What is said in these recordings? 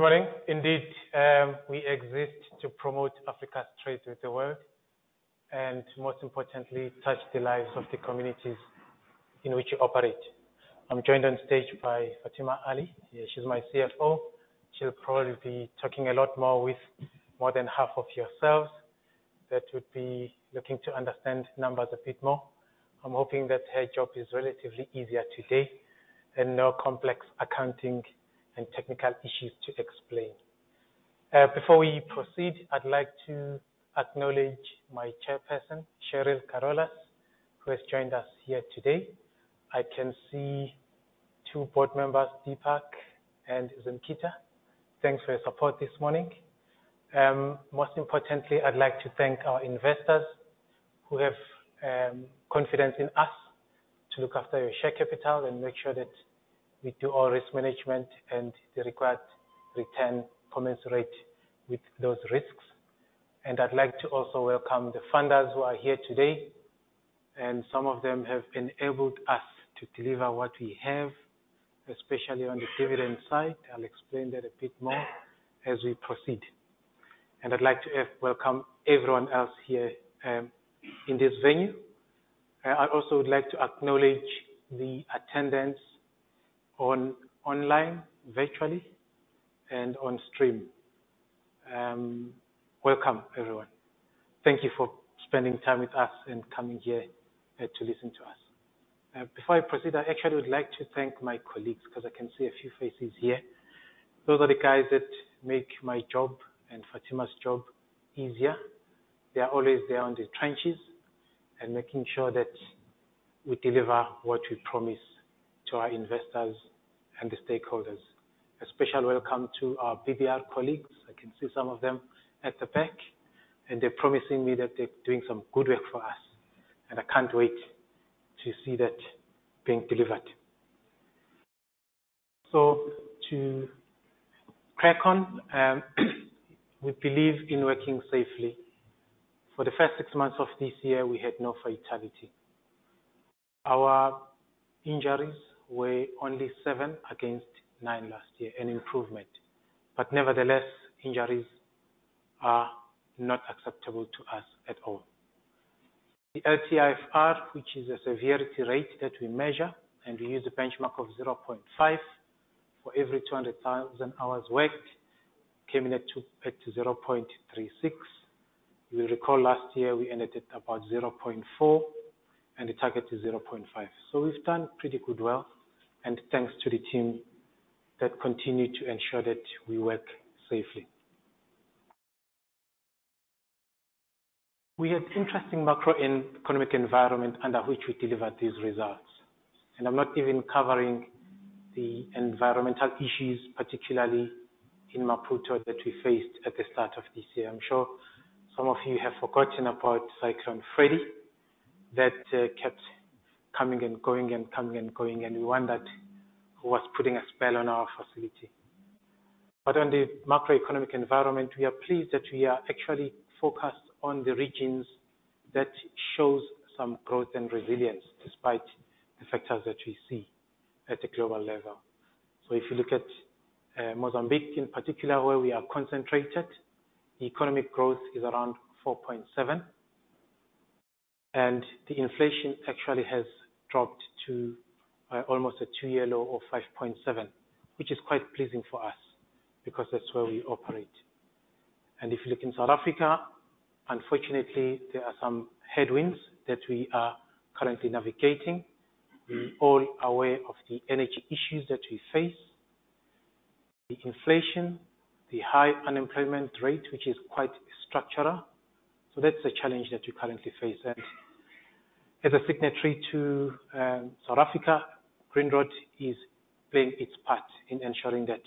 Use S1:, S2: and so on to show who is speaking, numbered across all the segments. S1: Good morning. Indeed, we exist to promote Africa's trade with the world, and most importantly, touch the lives of the communities in which we operate. I am joined on stage by Fathima Ally. She is my CFO. She will probably be talking a lot more with more than half of yourselves that would be looking to understand numbers a bit more. I am hoping that her job is relatively easier today, no complex accounting and technical issues to explain. Before we proceed, I would like to acknowledge my chairperson, Cheryl Carolus, who has joined us here today. I can see two board members, Deepak and Zimkhitha. Thanks for your support this morning. Most importantly, I would like to thank our investors who have confidence in us to look after your share capital and make sure that we do all risk management and the required return commensurate with those risks. I would like to also welcome the funders who are here today, and some of them have enabled us to deliver what we have, especially on the dividend side. I will explain that a bit more as we proceed. I would like to welcome everyone else here in this venue. I also would like to acknowledge the attendance on online, virtually, and on stream. Welcome, everyone. Thank you for spending time with us and coming here to listen to us. Before I proceed, I actually would like to thank my colleagues because I can see a few faces here. Those are the guys that make my job and Fathima's job easier. They are always there on the trenches and making sure that we deliver what we promise to our investors and the stakeholders. A special welcome to our PBR colleagues. I can see some of them at the back, they are promising me that they are doing some good work for us, I cannot wait to see that being delivered. So to crack on, we believe in working safely. For the first six months of this year, we had no fatality. Our injuries were only seven against nine last year. An improvement, but nevertheless, injuries are not acceptable to us at all. The LTIFR, which is a severity rate that we measure, we use a benchmark of zero point five for every 200,000 hours worked, came in at zero point three six. You will recall last year we ended at about zero point four, the target is zero point five. We have done pretty good well, thanks to the team that continued to ensure that we work safely. We had interesting macroeconomic environment under which we delivered these results, I am not even covering the environmental issues, particularly in Maputo that we faced at the start of this year. I am sure some of you have forgotten about Cyclone Freddy that kept coming and going and coming and going, we wondered who was putting a spell on our facility. On the macroeconomic environment, we are pleased that we are actually focused on the regions that shows some growth and resilience despite the factors that we see at a global level. If you look at Mozambique in particular, where we are concentrated, the economic growth is around four point seven, the inflation actually has dropped to almost a two-year low of five point seven, which is quite pleasing for us because that is where we operate. If you look in South Africa, unfortunately, there are some headwinds that we are currently navigating. We are all aware of the energy issues that we face, the inflation, the high unemployment rate, which is quite structural. That is a challenge that we currently face. As a signatory to South Africa, Grindrod is playing its part in ensuring that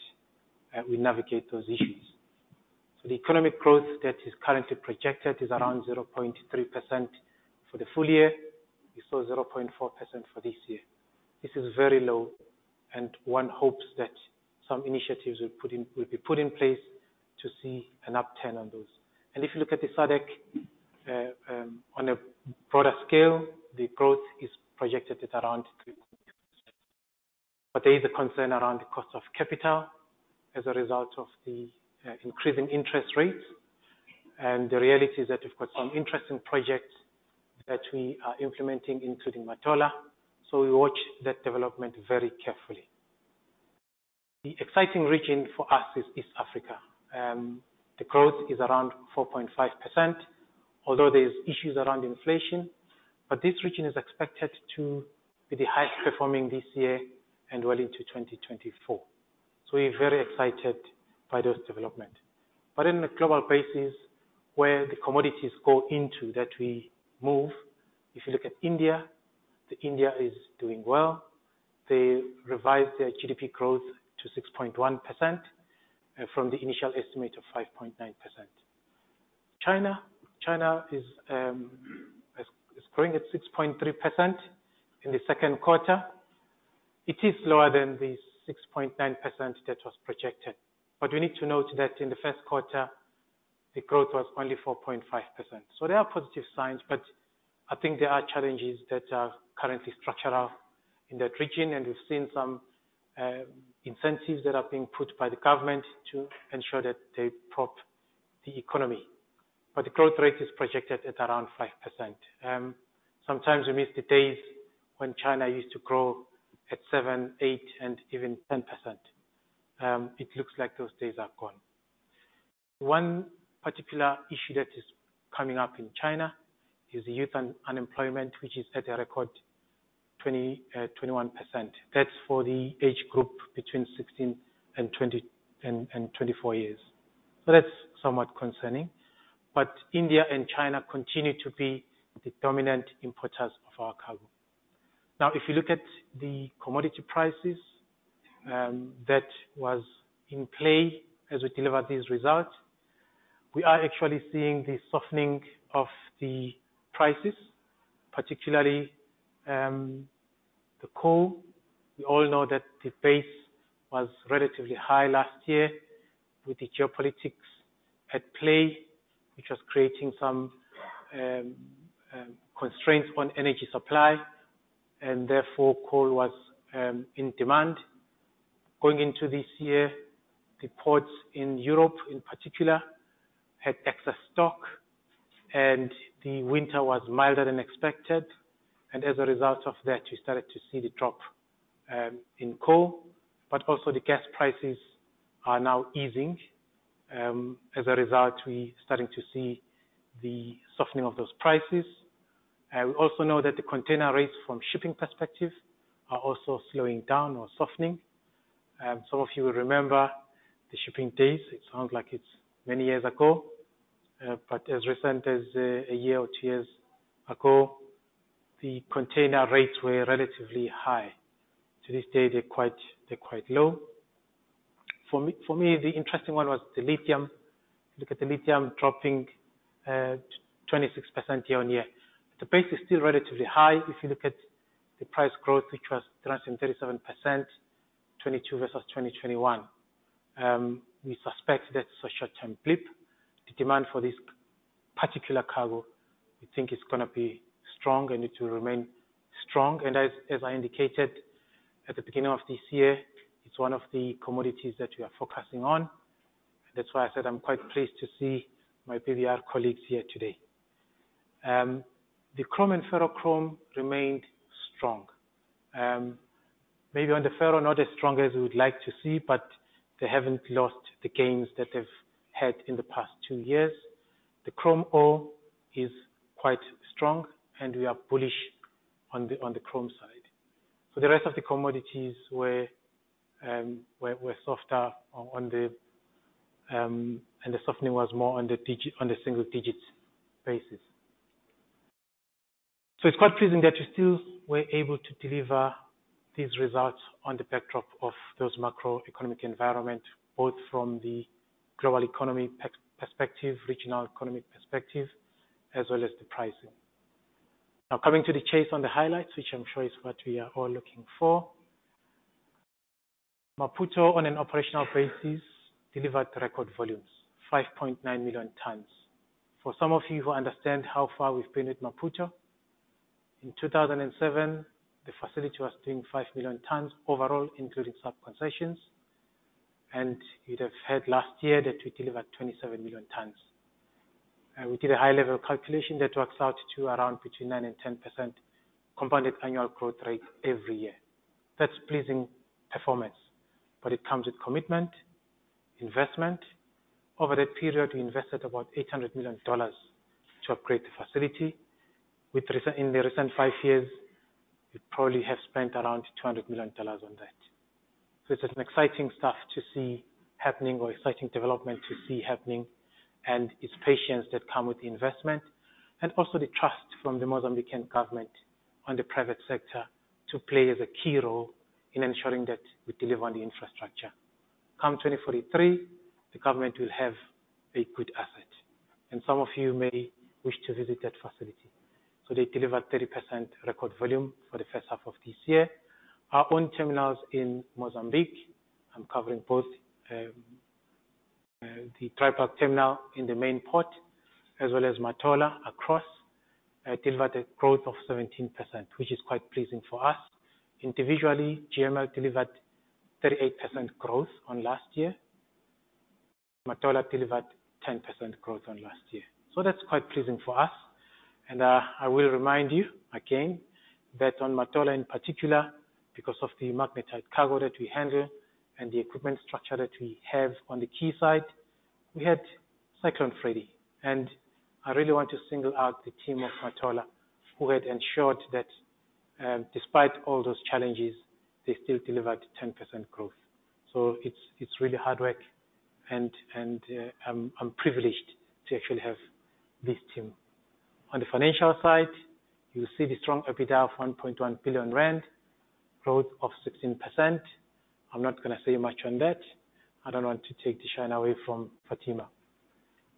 S1: we navigate those issues. The economic growth that is currently projected is around 0.3% for the full year. We saw 0.4% for this year. This is very low, and one hopes that some initiatives will be put in place to see an upturn on those. If you look at the SADC, on a broader scale, the growth is projected at around 3%. There is a concern around the cost of capital as a result of the increasing interest rates. The reality is that we have got some interesting projects that we are implementing, including Matola. So we watch that development very carefully. The exciting region for us is East Africa. The growth is around 4.5%, although there is issues around inflation. But this region is expected to be the highest performing this year and well into 2024. So we are very excited by those development. On a global basis where the commodities go into that we move, if you look at India is doing well. They revised their GDP growth to 6.1% from the initial estimate of 5.9%. China is growing at 6.3% in the Q2. It is lower than the 6.9% that was projected. We need to note that in the Q1. the growth was only 4.5%. There are positive signs, but I think there are challenges that are currently structural in that region, and we have seen some incentives that are being put by the government to ensure that they prop the economy. The growth rate is projected at around 5%. Sometimes we miss the days when China used to grow at 7%, 8%, and even 10%. It looks like those days are gone. One particular issue that is coming up in China is youth unemployment, which is at a record 21%. That is for the age group between 16 and 24 years. That is somewhat concerning, but India and China continue to be the dominant importers of our cargo. If you look at the commodity prices, that was in play as we delivered these results. We are actually seeing the softening of the prices, particularly, the coal. We all know that the base was relatively high last year with the geopolitics at play, which was creating some constraints on energy supply, and therefore coal was in demand. Going into this year, the ports in Europe in particular, had excess stock, and the winter was milder than expected. As a result of that, we started to see the drop in coal, but also the gas prices are now easing. As a result, we are starting to see the softening of those prices. We also know that the container rates from a shipping perspective are also slowing down or softening. Some of you will remember the shipping days. It sounds like it is many years ago, but as recent as a year or two years ago, the container rates were relatively high. To this day, they are quite low. For me, the interesting one was the lithium. If you look at the lithium dropping 26% year-over-year. The base is still relatively high if you look at the price growth, which was 337%, 2022 versus 2021. We suspect that's a short-term blip. The demand for this particular cargo, we think is going to be strong and it will remain strong. As I indicated at the beginning of this year, it's one of the commodities that we are focusing on. That's why I said I'm quite pleased to see my PBR colleagues here today. The chrome and ferrochrome remained strong. Maybe on the ferro, not as strong as we would like to see, but they haven't lost the gains that they've had in the past two years. The chrome ore is quite strong, and we are bullish on the chrome side. The rest of the commodities were softer, and the softening was more on a single-digit basis. It's quite pleasing that we still were able to deliver these results on the backdrop of those macroeconomic environment, both from the global economy perspective, regional economic perspective, as well as the pricing. Coming to the chase on the highlights, which I'm sure is what we are all looking for. Maputo, on an operational basis, delivered record volumes, 5.9 million tons. For some of you who understand how far we've been with Maputo, in 2007, the facility was doing 5 million tons overall, including sub-concessions, and you'd have heard last year that we delivered 27 million tons. We did a high-level calculation that works out to around between 9% and 10% compounded annual growth rate every year. That's pleasing performance, but it comes with commitment, investment. Over that period, we invested about ZAR 800 million to upgrade the facility. In the recent five years, we probably have spent around ZAR 200 million on that. It's an exciting stuff to see happening or exciting development to see happening, and it's patience that come with the investment. Also the trust from the Mozambican government on the private sector to play as a key role in ensuring that we deliver on the infrastructure. Come 2043, the government will have a good asset. Some of you may wish to visit that facility. They delivered 30% record volume for the H1 of this year. Our own terminals in Mozambique, I'm covering both, the dry bulk terminal in the main port, as well as Matola across, delivered a growth of 17%, which is quite pleasing for us. Individually, GML delivered 38% growth on last year. Matola delivered 10% growth on last year. That's quite pleasing for us. I will remind you again that on Matola in particular, because of the magnetite cargo that we handle and the equipment structure that we have on the key side, we had Cyclone Freddy. And I really want to single out the team of Matola who had ensured that despite all those challenges, they still delivered 10% growth. So it's really hard work, and I'm privileged to actually have this team. On the financial side, you'll see the strong EBITDA of 1.1 billion rand, growth of 16%. I'm not going to say much on that. I don't want to take the shine away from Fathima.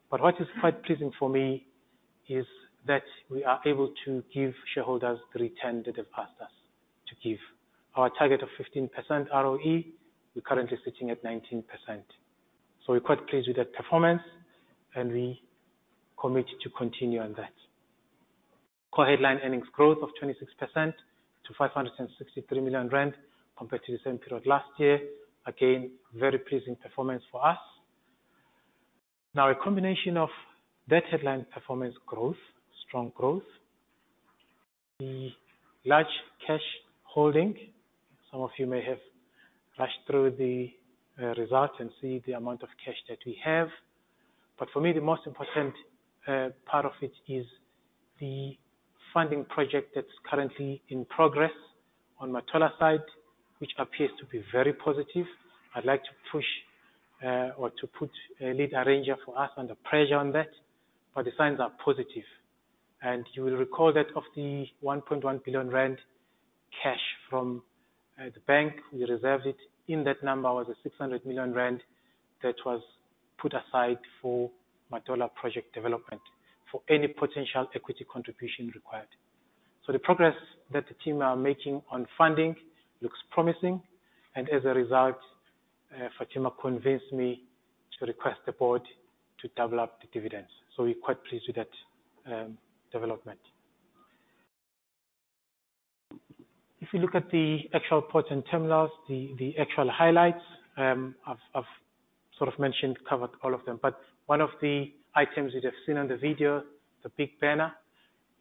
S1: What is quite pleasing for me is that we are able to give shareholders the return that they've asked us. To give our target of 15% ROE, we're currently sitting at 19%. So we're quite pleased with that performance, and we commit to continue on that. Core headline earnings growth of 26% to 563 million rand compared to the same period last year. Again, very pleasing performance for us. Now a combination of that headline performance growth, strong growth, the large cash holding. Some of you may have rushed through the results and seen the amount of cash that we have. For me, the most important part of it is the funding project that's currently in progress on Matola side, which appears to be very positive. I'd like to push or to put a lead arranger for us under pressure on that, but the signs are positive. You will recall that of the 1.1 billion rand cash from the bank, we reserved it. In that number was a 600 million rand that was put aside for Matola project development, for any potential equity contribution required. So the progress that the team are making on funding looks promising, and as a result, Fathima convinced me to request the board to double up the dividends. We're quite pleased with that development. If you look at the actual ports and terminals, the actual highlights, I've sort of mentioned, covered all of them. One of the items that you've seen on the video, the big banner,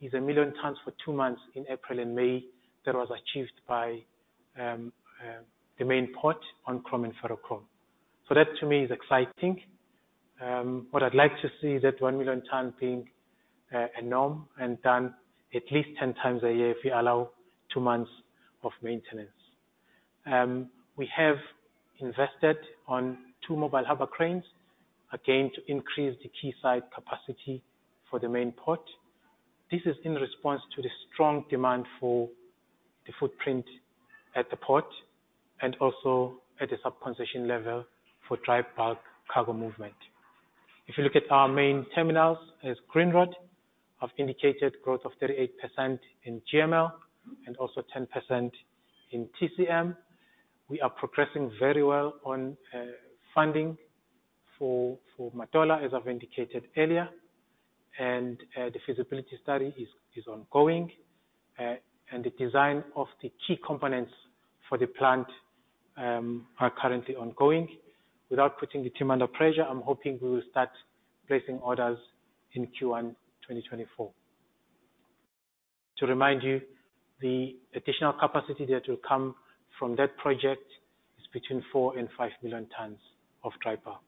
S1: is a 1 million tons for two months in April and May that was achieved by the main port on chrome and ferrochrome. That to me is exciting. What I'd like to see is that 1 million tons being a norm and done at least 10 times a year if we allow two months of maintenance. We have invested on two mobile harbor cranes, again, to increase the quayside capacity for the main port. This is in response to the strong demand for the footprint at the port and also at the sub-concession level for dry bulk cargo movement. If you look at our main terminals, as Grindrod, I've indicated growth of 38% in GML and also 10% in TCM. We are progressing very well on funding for Matola, as I've indicated earlier, and the feasibility study is ongoing, and the design of the key components for the plant are currently ongoing. Without putting the team under pressure, I'm hoping we will start placing orders in Q1 2024. To remind you, the additional capacity that will come from that project is between 4 and 5 million tons of dry bulk,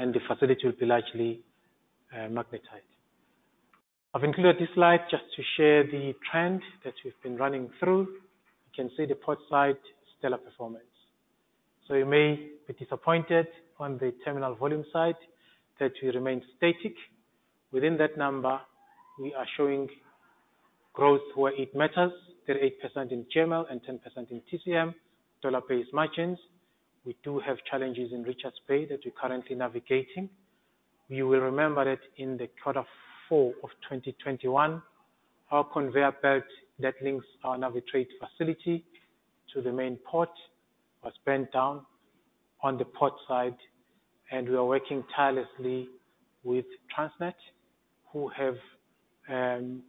S1: and the facility will be largely magnetite. I've included this slide just to share the trend that we've been running through. You can see the port side, stellar performance. You may be disappointed on the terminal volume side that we remain static. Within that number, we are showing growth where it matters, 38% in GML and 10% in TCM, dollar-based margins. We do have challenges in Richards Bay that we're currently navigating. You will remember that in Q4 2021, our conveyor belt that links our Navitrade facility to the main port was burnt down on the port side, and we are working tirelessly with Transnet, who have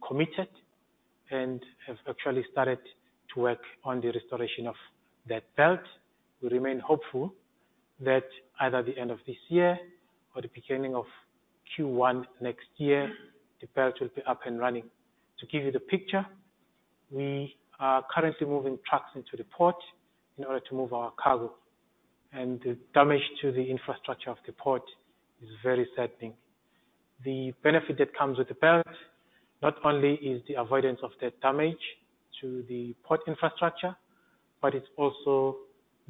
S1: committed and have actually started to work on the restoration of that belt. We remain hopeful that either the end of this year or the beginning of Q1 next year, the belt will be up and running. To give you the picture, we are currently moving trucks into the port in order to move our cargo. And the damage to the infrastructure of the port is very saddening. The benefit that comes with the belt, not only is the avoidance of that damage to the port infrastructure, but it's also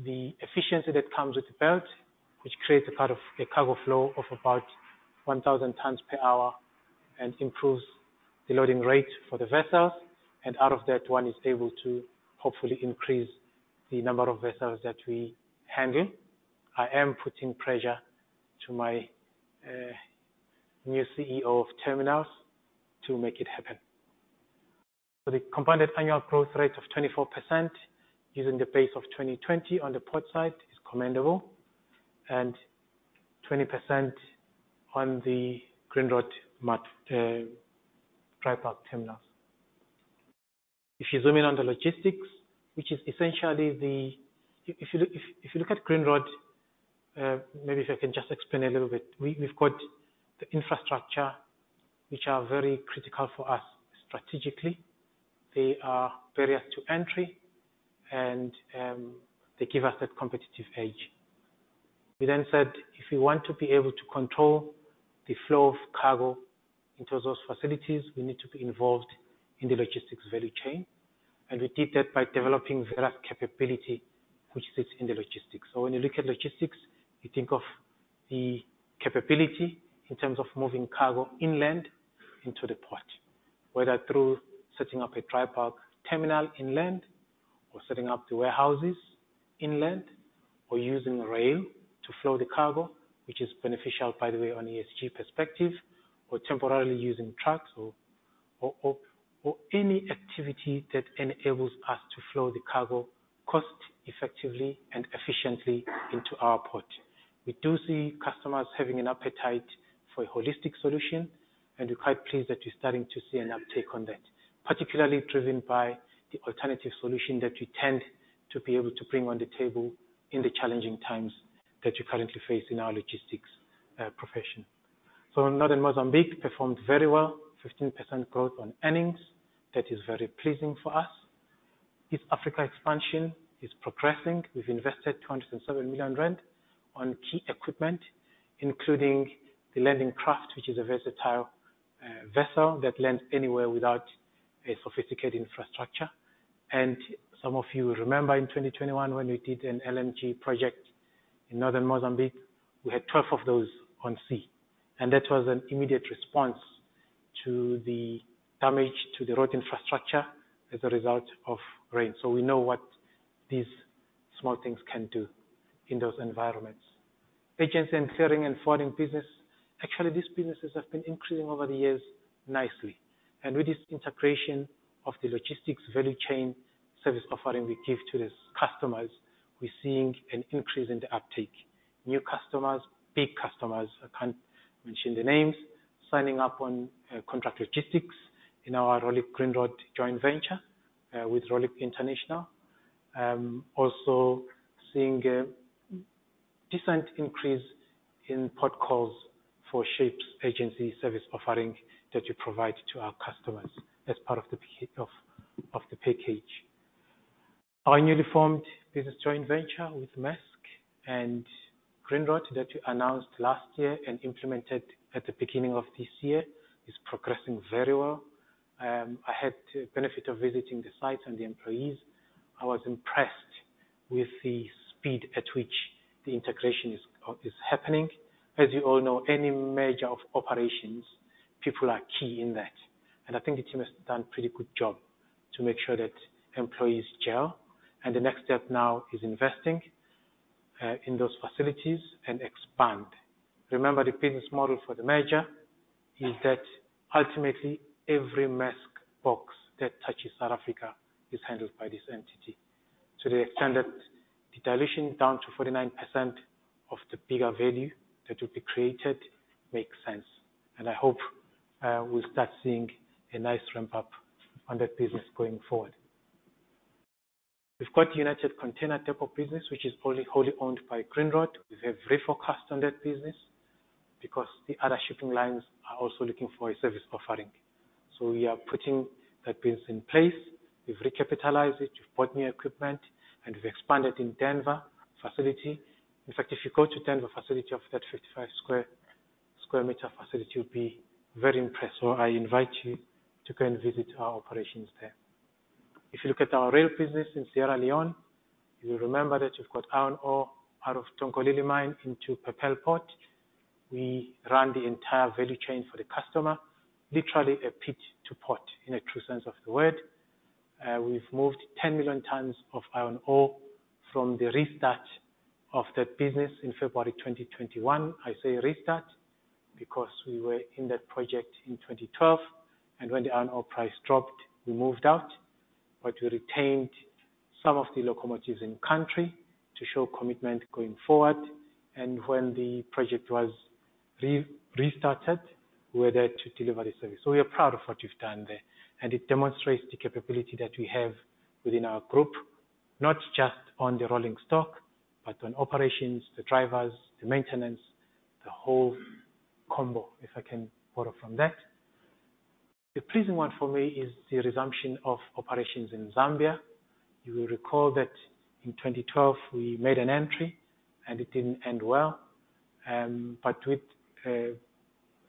S1: the efficiency that comes with the belt, which creates a cargo flow of about 1,000 tonnes per hour and improves the loading rate for the vessels. And out of that one is able to hopefully increase the number of vessels that we handle. I am putting pressure to my new CEO of terminals to make it happen. The compounded annual growth rate of 24% using the base of 2020 on the port side is commendable, and 20% on the Grindrod dry bulk terminals. If you zoom in on the logistics, which is essentially, if you look at Grindrod, maybe if I can just explain a little bit. We've got the infrastructure, which are very critical for us strategically. They are barriers to entry, and they give us that competitive edge. We then said, if we want to be able to control the flow of cargo into those facilities, we need to be involved in the logistics value chain. We did that by developing various capability, which sits in the logistics. When you look at logistics, you think of the capability in terms of moving cargo inland into the port, whether through setting up a dry bulk terminal inland or setting up the warehouses inland, or using rail to flow the cargo, which is beneficial, by the way, on ESG perspective, or temporarily using trucks or any activity that enables us to flow the cargo cost effectively and efficiently into our port. We do see customers having an appetite for a holistic solution, and we're quite pleased that we're starting to see an uptake on that. Particularly driven by the alternative solution that we tend to be able to bring on the table in the challenging times that we currently face in our logistics profession. Northern Mozambique performed very well, 15% growth on earnings. That is very pleasing for us. East Africa expansion is progressing. We've invested 207 million rand on key equipment, including the landing craft, which is a versatile vessel that lands anywhere without a sophisticated infrastructure. And some of you remember in 2021 when we did an LNG project in northern Mozambique, we had 12 of those on sea. That was an immediate response to the damage to the road infrastructure as a result of rain. So we know what these small things can do in those environments. Agents and clearing, and forwarding business. Actually, these businesses have been increasing over the years nicely. With this integration of the logistics value chain service offering we give to these customers, we're seeing an increase in the uptake. New customers, big customers, I can't mention the names, signing up on contract logistics in our Röhlig-Grindrod joint venture, with Röhlig International. Also seeing a decent increase in port calls for ships agency service offering that we provide to our customers as part of the package. Our newly formed business joint venture with Maersk and Grindrod that we announced last year and implemented at the beginning of this year is progressing very well. I had the benefit of visiting the sites and the employees. I was impressed with the speed at which the integration is happening. As you all know, any merger of operations, people are key in that, and I think the team has done pretty good job to make sure that employees gel. The next step now is investing in those facilities and expand. Remember, the business model for the merger is that ultimately every Maersk box that touches South Africa is handled by this entity. The extent that the dilution down to 49% of the bigger value that will be created makes sense. I hope, we'll start seeing a nice ramp-up on that business going forward. We've got United Container Depots business, which is wholly owned by Grindrod. We have refocused on that business because the other shipping lines are also looking for a service offering. So we are putting that business in place. We've recapitalized it. We've bought new equipment, and we've expanded in Denver facility. In fact, if you go to Denver facility of that 55 sq m facility, you'll be very impressed. I invite you to go and visit our operations there. If you look at our rail business in Sierra Leone, you'll remember that we've got iron ore out of Tonkolili mine into Pepel Port. We run the entire value chain for the customer, literally a pit to port in a true sense of the word. We've moved 10 million tons of iron ore from the restart of that business in February 2021. I say restart because we were in that project in 2012, and when the iron ore price dropped, we moved out. We retained some of the locomotives in-country to show commitment going forward. And when the project was restarted, we were there to deliver the service. We are proud of what we've done there, and it demonstrates the capability that we have within our group, not just on the rolling stock, but on operations, the drivers, the maintenance, the whole combo, if I can borrow from that. The pleasing one for me is the resumption of operations in Zambia. You will recall that in 2012, we made an entry and it didn't end well. With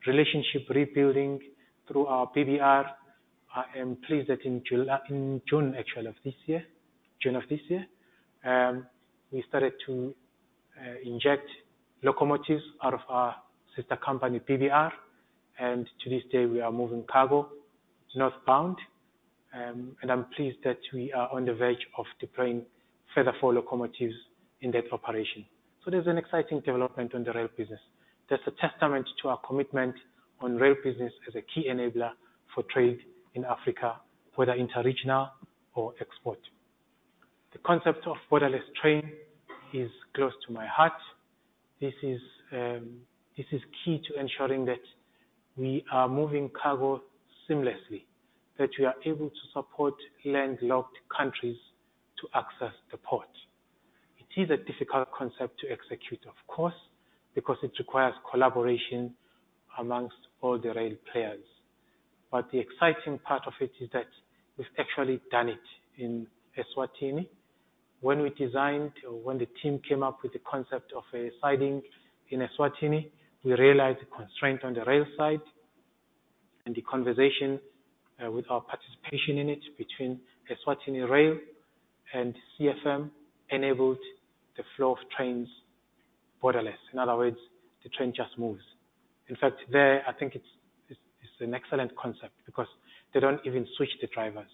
S1: relationship rebuilding through our PBR, I am pleased that in June actually of this year, we started to inject locomotives out of our sister company, PBR, and to this day, we are moving cargo northbound. I'm pleased that we are on the verge of deploying further four locomotives in that operation. There's an exciting development on the rail business. That's a testament to our commitment on rail business as a key enabler for trade in Africa, whether inter-regional or export. The concept of borderless train is close to my heart. This is key to ensuring that we are moving cargo seamlessly, that we are able to support landlocked countries to access the port. It is a difficult concept to execute, of course, because it requires collaboration amongst all the rail players. But the exciting part of it is that we've actually done it in Eswatini. When we designed or when the team came up with the concept of a siding in Eswatini, we realized the constraint on the rail side, and the conversation, with our participation in it between Eswatini Railways and CFM, enabled the flow of trains borderless. In other words, the train just moves. In fact, there, I think it's an excellent concept because they don't even switch the drivers.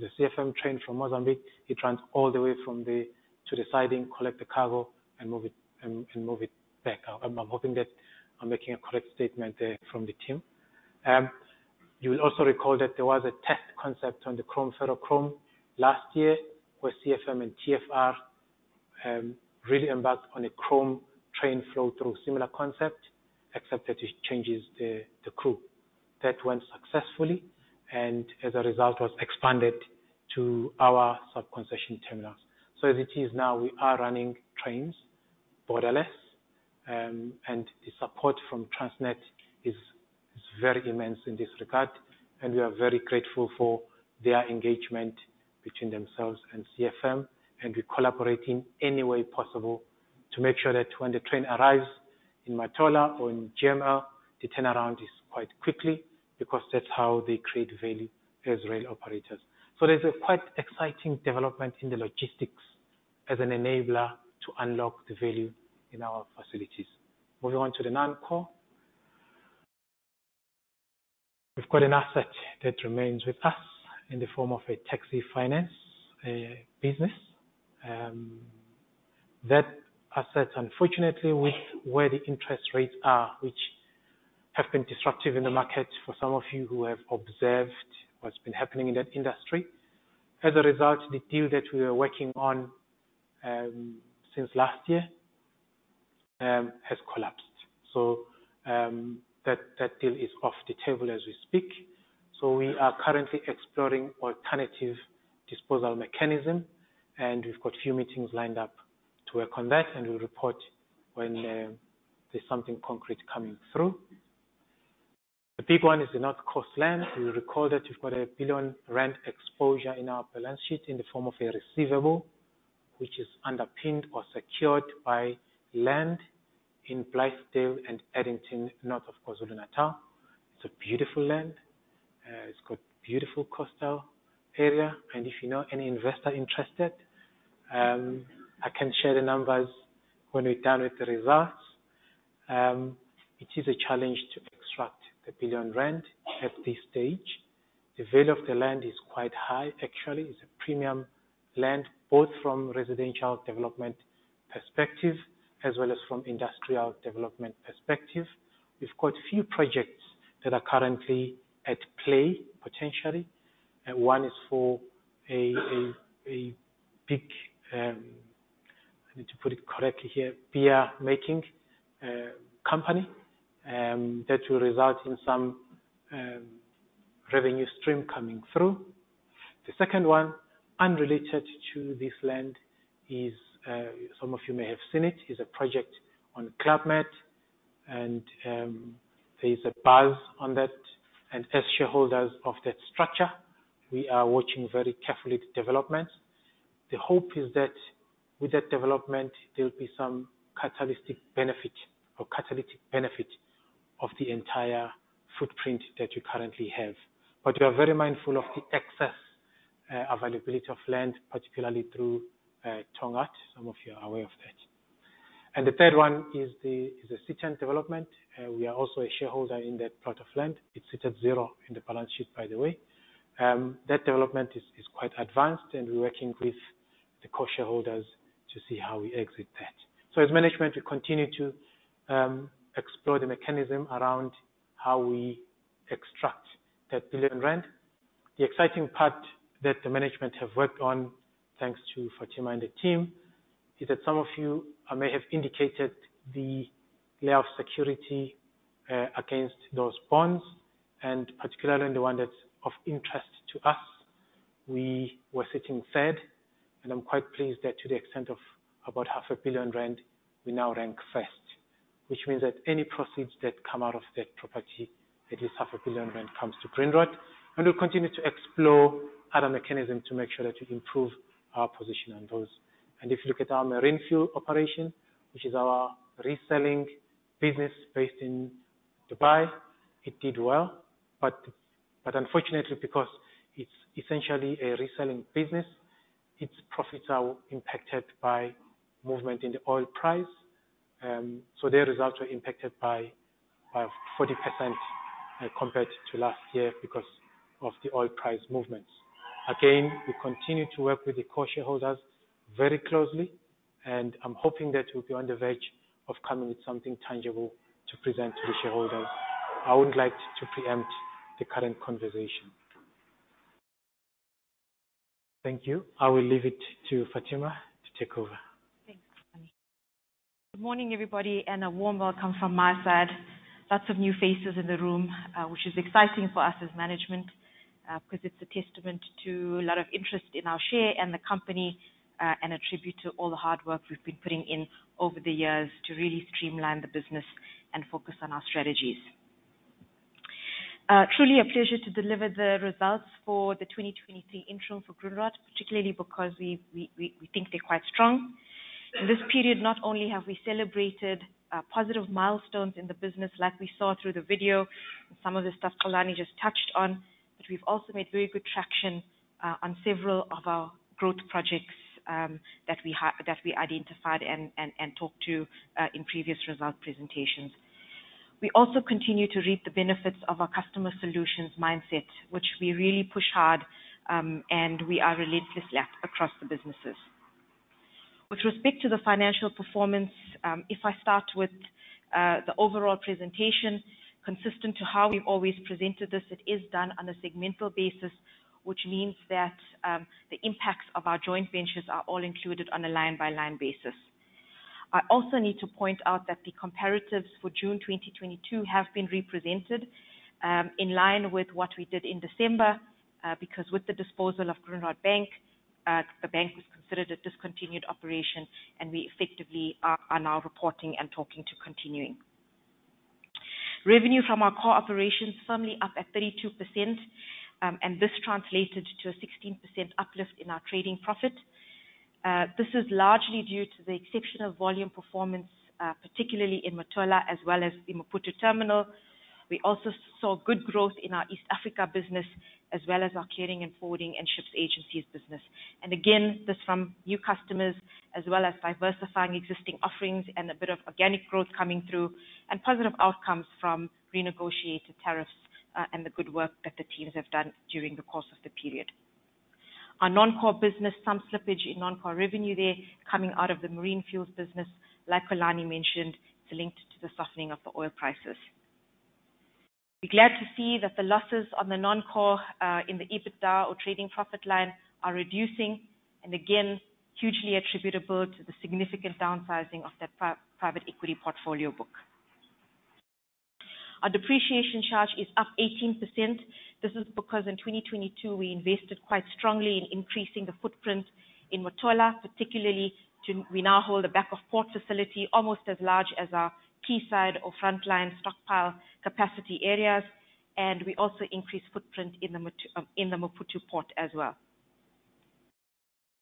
S1: If it's a CFM train from Mozambique, it runs all the way to the siding, collect the cargo, and move it back. I'm hoping that I'm making a correct statement there from the team. You will also recall that there was a test concept on the chrome, ferrochrome last year with CFM and TFR, really embarked on a chrome train flow through similar concept, except that it changes the crew. That went successfully, and as a result, was expanded to our sub-concession terminals. As it is now, we are running trains borderless, and the support from Transnet is very immense in this regard, and we are very grateful for their engagement between themselves and CFM, and we collaborate in any way possible to make sure that when the train arrives in Matola or in Gama, the turnaround is quite quickly because that's how they create value as rail operators. There's a quite exciting development in the logistics as an enabler to unlock the value in our facilities. Moving on to the non-core. We've got an asset that remains with us in the form of a taxi finance business. That asset, unfortunately, with where the interest rates are, which have been disruptive in the market for some of you who have observed what's been happening in that industry. As a result, the deal that we are working on, since last year, has collapsed. So that deal is off the table as we speak. So we are currently exploring alternative disposal mechanism, and we've got few meetings lined up to work on that, and we'll report when there's something concrete coming through. The big one is the North Coast land. You'll recall that we've got a 1 billion rand exposure in our balance sheet in the form of a receivable, which is underpinned or secured by land in Blythedale and Addington, north of KwaZulu-Natal. It's a beautiful land. It's got beautiful coastal area, and if you know any investor interested, I can share the numbers when we're done with the results. It is a challenge to extract the 1 billion rand at this stage. The value of the land is quite high, actually. It's a premium land, both from residential development perspective as well as from industrial development perspective. We've got few projects that are currently at play, potentially. One is for a big beer-making company, that will result in some revenue stream coming through. The second one, unrelated to this land is, some of you may have seen it, is a project on Club Med, and there is a buzz on that. As shareholders of that structure, we are watching very carefully the developments. The hope is that with that development, there'll be some catalystic benefit or catalytic benefit of the entire footprint that we currently have. We are very mindful of the excess availability of land, particularly through Tongaat. Some of you are aware of that. The third one is the Sithembile development. We are also a shareholder in that plot of land. It sits at zero in the balance sheet, by the way. That development is quite advanced, and we're working with the core shareholders to see how we exit that. As management, we continue to explore the mechanism around how we extract that 1 billion rand. The exciting part that the management have worked on, thanks to Fathima and the team, is that some of you may have indicated the layer of security, against those bonds, and particularly the one that's of interest to us. We were sitting third, and I'm quite pleased that to the extent of about half a billion rand, we now rank first, which means that any proceeds that come out of that property, at least half a billion rand comes to Grindrod. We'll continue to explore other mechanism to make sure that we improve our position on those. If you look at our marine fuel operation, which is our reselling business based in Dubai, it did well. But unfortunately, because it's essentially a reselling business, its profits are impacted by movement in the oil price. So their results were impacted by 40% compared to last year because of the oil price movements. Again, we continue to work with the core shareholders very closely, and I'm hoping that we'll be on the verge of coming with something tangible to present to the shareholders. I would like to preempt the current conversation. Thank you. I will leave it to Fathima to take over.
S2: Thanks, Xolani. Good morning, everybody, and a warm welcome from my side. Lots of new faces in the room, which is exciting for us as management, because it's a testament to a lot of interest in our share and the company, and a tribute to all the hard work we've been putting in over the years to really streamline the business and focus on our strategies. Truly a pleasure to deliver the results for the 2023 interim for Grindrod, particularly because we think they're quite strong. In this period, not only have we celebrated positive milestones in the business like we saw through the video and some of the stuff Xolani just touched on, but we've also made very good traction on several of our growth projects that we identified and talked to in previous result presentations. We also continue to reap the benefits of our customer solutions mindset, which we really push hard, and we are relentless at across the businesses. With respect to the financial performance, if I start with the overall presentation, consistent to how we've always presented this, it is done on a segmental basis, which means that the impacts of our joint ventures are all included on a line-by-line basis. I also need to point out that the comparatives for June 2022 have been represented, in line with what we did in December, because with the disposal of Grindrod Bank, the bank was considered a discontinued operation, and we effectively are now reporting and talking to continuing. Revenue from our core operations firmly up at 32%. This translated to a 16% uplift in our trading profit. This is largely due to the exceptional volume performance, particularly in Matola as well as in Maputo terminal. We also saw good growth in our East Africa business as well as our clearing and forwarding and ship agency business. And again, this from new customers as well as diversifying existing offerings and a bit of organic growth coming through and positive outcomes from renegotiated tariffs, and the good work that the teams have done during the course of the period. Our non-core business, some slippage in non-core revenue there coming out of the marine fuels business, like Xolani mentioned, it's linked to the softening of the oil prices. We're glad to see that the losses on the non-core, in the EBITDA or trading profit line are reducing. Again, hugely attributable to the significant downsizing of that private equity portfolio book. Our depreciation charge is up 18%. This is because in 2022, we invested quite strongly in increasing the footprint in Matola, particularly we now hold a back-of-port facility almost as large as our quayside or frontline stockpile capacity areas, and we also increased footprint in the Maputo port as well.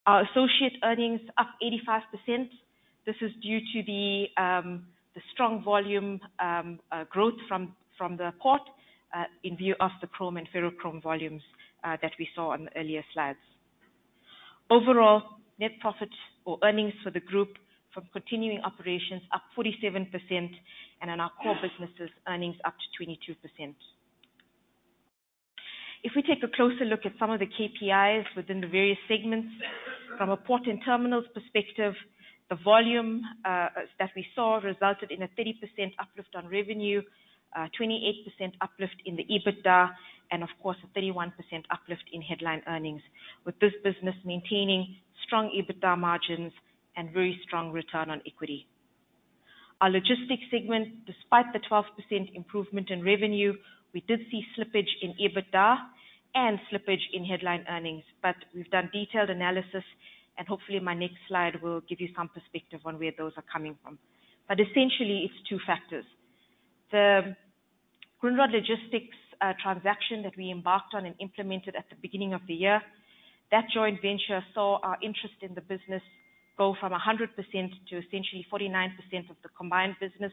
S2: Our associate earnings up 85%. This is due to the strong volume growth from the port, in view of the chrome and ferrochrome volumes that we saw on the earlier slides. Overall, net profit or earnings for the group from continuing operations up 47%, and in our core businesses, earnings up to 22%. If we take a closer look at some of the KPIs within the various segments, from a port and terminals perspective, the volume that we saw resulted in a 30% uplift on revenue, 28% uplift in the EBITDA, and of course, a 31% uplift in headline earnings, with this business maintaining strong EBITDA margins and very strong return on equity. Our Grindrod Logistics segment, despite the 12% improvement in revenue, we did see slippage in EBITDA and slippage in headline earnings. We've done detailed analysis, and hopefully, my next slide will give you some perspective on where those are coming from. Bur essentially, it's two factors. The Grindrod Logistics transaction that we embarked on and implemented at the beginning of the year, that joint venture saw our interest in the business go from 100% to essentially 49% of the combined business.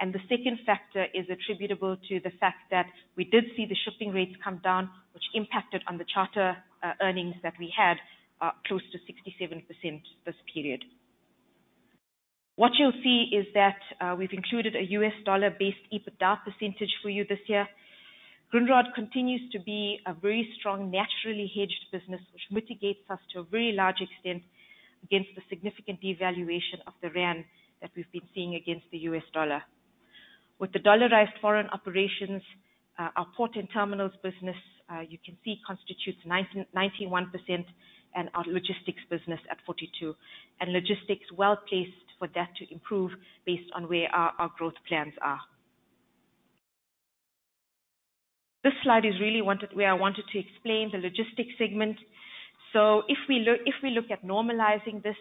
S2: The second factor is attributable to the fact that we did see the shipping rates come down, which impacted on the charter earnings that we had close to 67% this period. What you'll see is that, we've included a U.S. dollar-based EBITDA percentage for you this year. Grindrod continues to be a very strong, naturally hedged business, which mitigates us to a very large extent against the significant devaluation of the rand that we've been seeing against the U.S. dollar. With the dollarized foreign operations, our port and terminals business, you can see constitutes 91%, and our logistics business at 42%. Logistics well-placed for that to improve based on where our growth plans are. This slide is really where I wanted to explain the logistics segment. So if we look at normalizing this,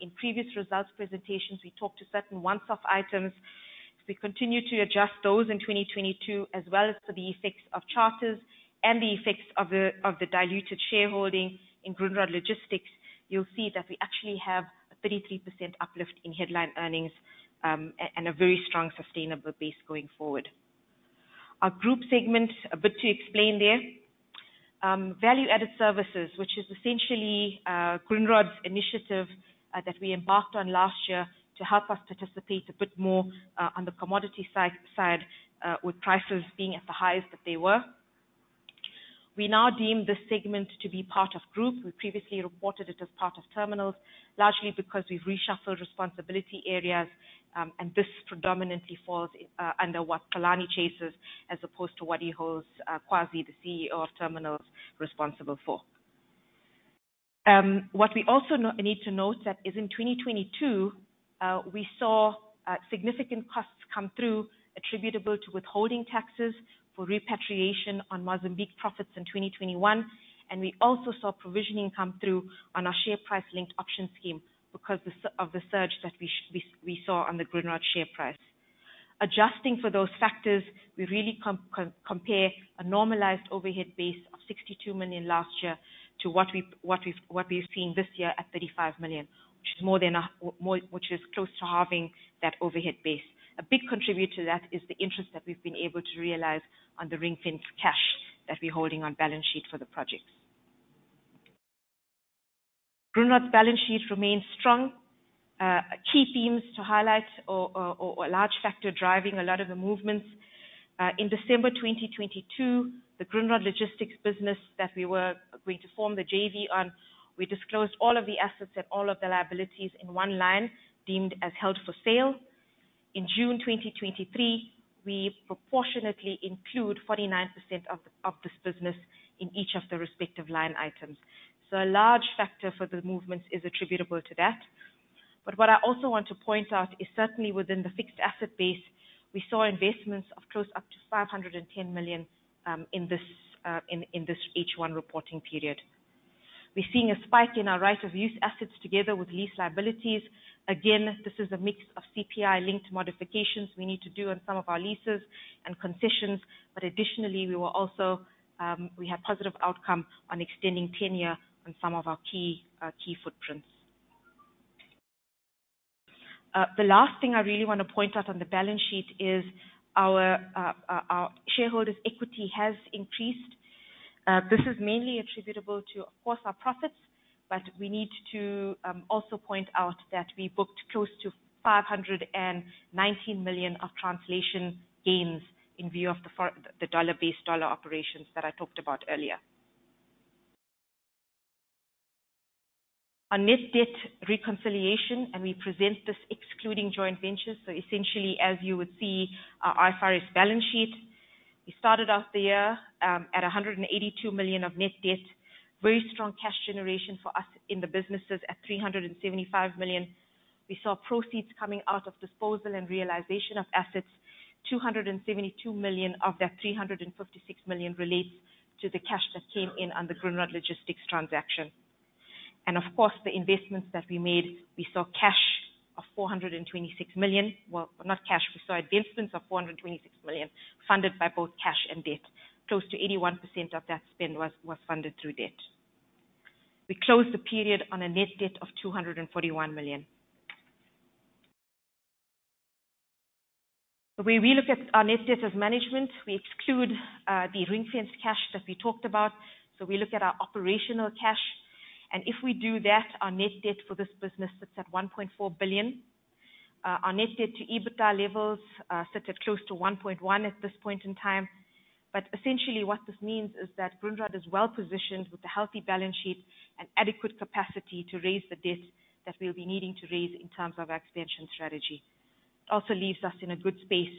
S2: in previous results presentations, we talked to certain once-off items. If we continue to adjust those in 2022, as well as for the effects of charters and the effects of the diluted shareholding in Grindrod Logistics, you will see that we actually have a 33% uplift in headline earnings, and a very strong, sustainable base going forward. Our group segment, a bit to explain there. Value-added services, which is essentially Grindrod's initiative that we embarked on last year to help us participate a bit more on the commodity side, with prices being at the highs that they were. We now deem this segment to be part of group. We previously reported it as part of terminals, largely because we have reshuffled responsibility areas, and this predominantly falls under what Xolani chases as opposed to what he holds Kwazi, the CEO of Terminals, responsible for. But we also need to note that in 2022, we saw significant costs come through attributable to withholding taxes for repatriation on Mozambique profits in 2021. We also saw provisioning come through on our share price linked option scheme because of the surge that we saw on the Grindrod share price. Adjusting for those factors, we really compare a normalized overhead base of 62 million last year to what we have seen this year at 35 million, which is close to halving that overhead base. A big contributor to that is the interest that we have been able to realize on the ring-fenced cash that we are holding on balance sheet for the projects. Grindrod's balance sheet remains strong. Key themes to highlight or a large factor driving a lot of the movements. In December 2022, the Grindrod Logistics business that we were going to form the JV on, we disclosed all of the assets and all of the liabilities in one line deemed as held for sale. In June 2023, we proportionately include 49% of this business in each of the respective line items. A large factor for the movements is attributable to that. What I also want to point out is certainly within the fixed asset base, we saw investments of close up to 510 million, in this H1 reporting period. We are seeing a spike in our right of use assets together with lease liabilities. This is a mix of CPI-linked modifications we need to do on some of our leases and concessions. Additionally, we have positive outcome on extending tenure on some of our key footprints. The last thing I really want to point out on the balance sheet is our shareholders' equity has increased. This is mainly attributable to, of course, our profits, but we need to also point out that we booked close to 519 million of translation gains in view of the USD-based USD operations that I talked about earlier. On net debt reconciliation, and we present this excluding joint ventures. Essentially, as you would see our IFRS balance sheet, we started off the year, at 182 million of net debt. Very strong cash generation for us in the businesses at 375 million. We saw proceeds coming out of disposal and realization of assets, 272 million of that 356 million relates to the cash that came in on the Grindrod Logistics transaction. Of course, the investments that we made, we saw cash of 426 million. Well, not cash. We saw investments of 426 million funded by both cash and debt. Close to 81% of that spend was funded through debt. We closed the period on a net debt of 241 million. The way we look at our net debt as management, we exclude the ring-fenced cash that we talked about. We look at our operational cash, and if we do that, our net debt for this business sits at 1.4 billion. Our net debt to EBITDA levels sits at close to one point one at this point in time. But essentially what this means is that Grindrod is well-positioned with a healthy balance sheet and adequate capacity to raise the debt that we'll be needing to raise in terms of our expansion strategy. Leaves us in a good space,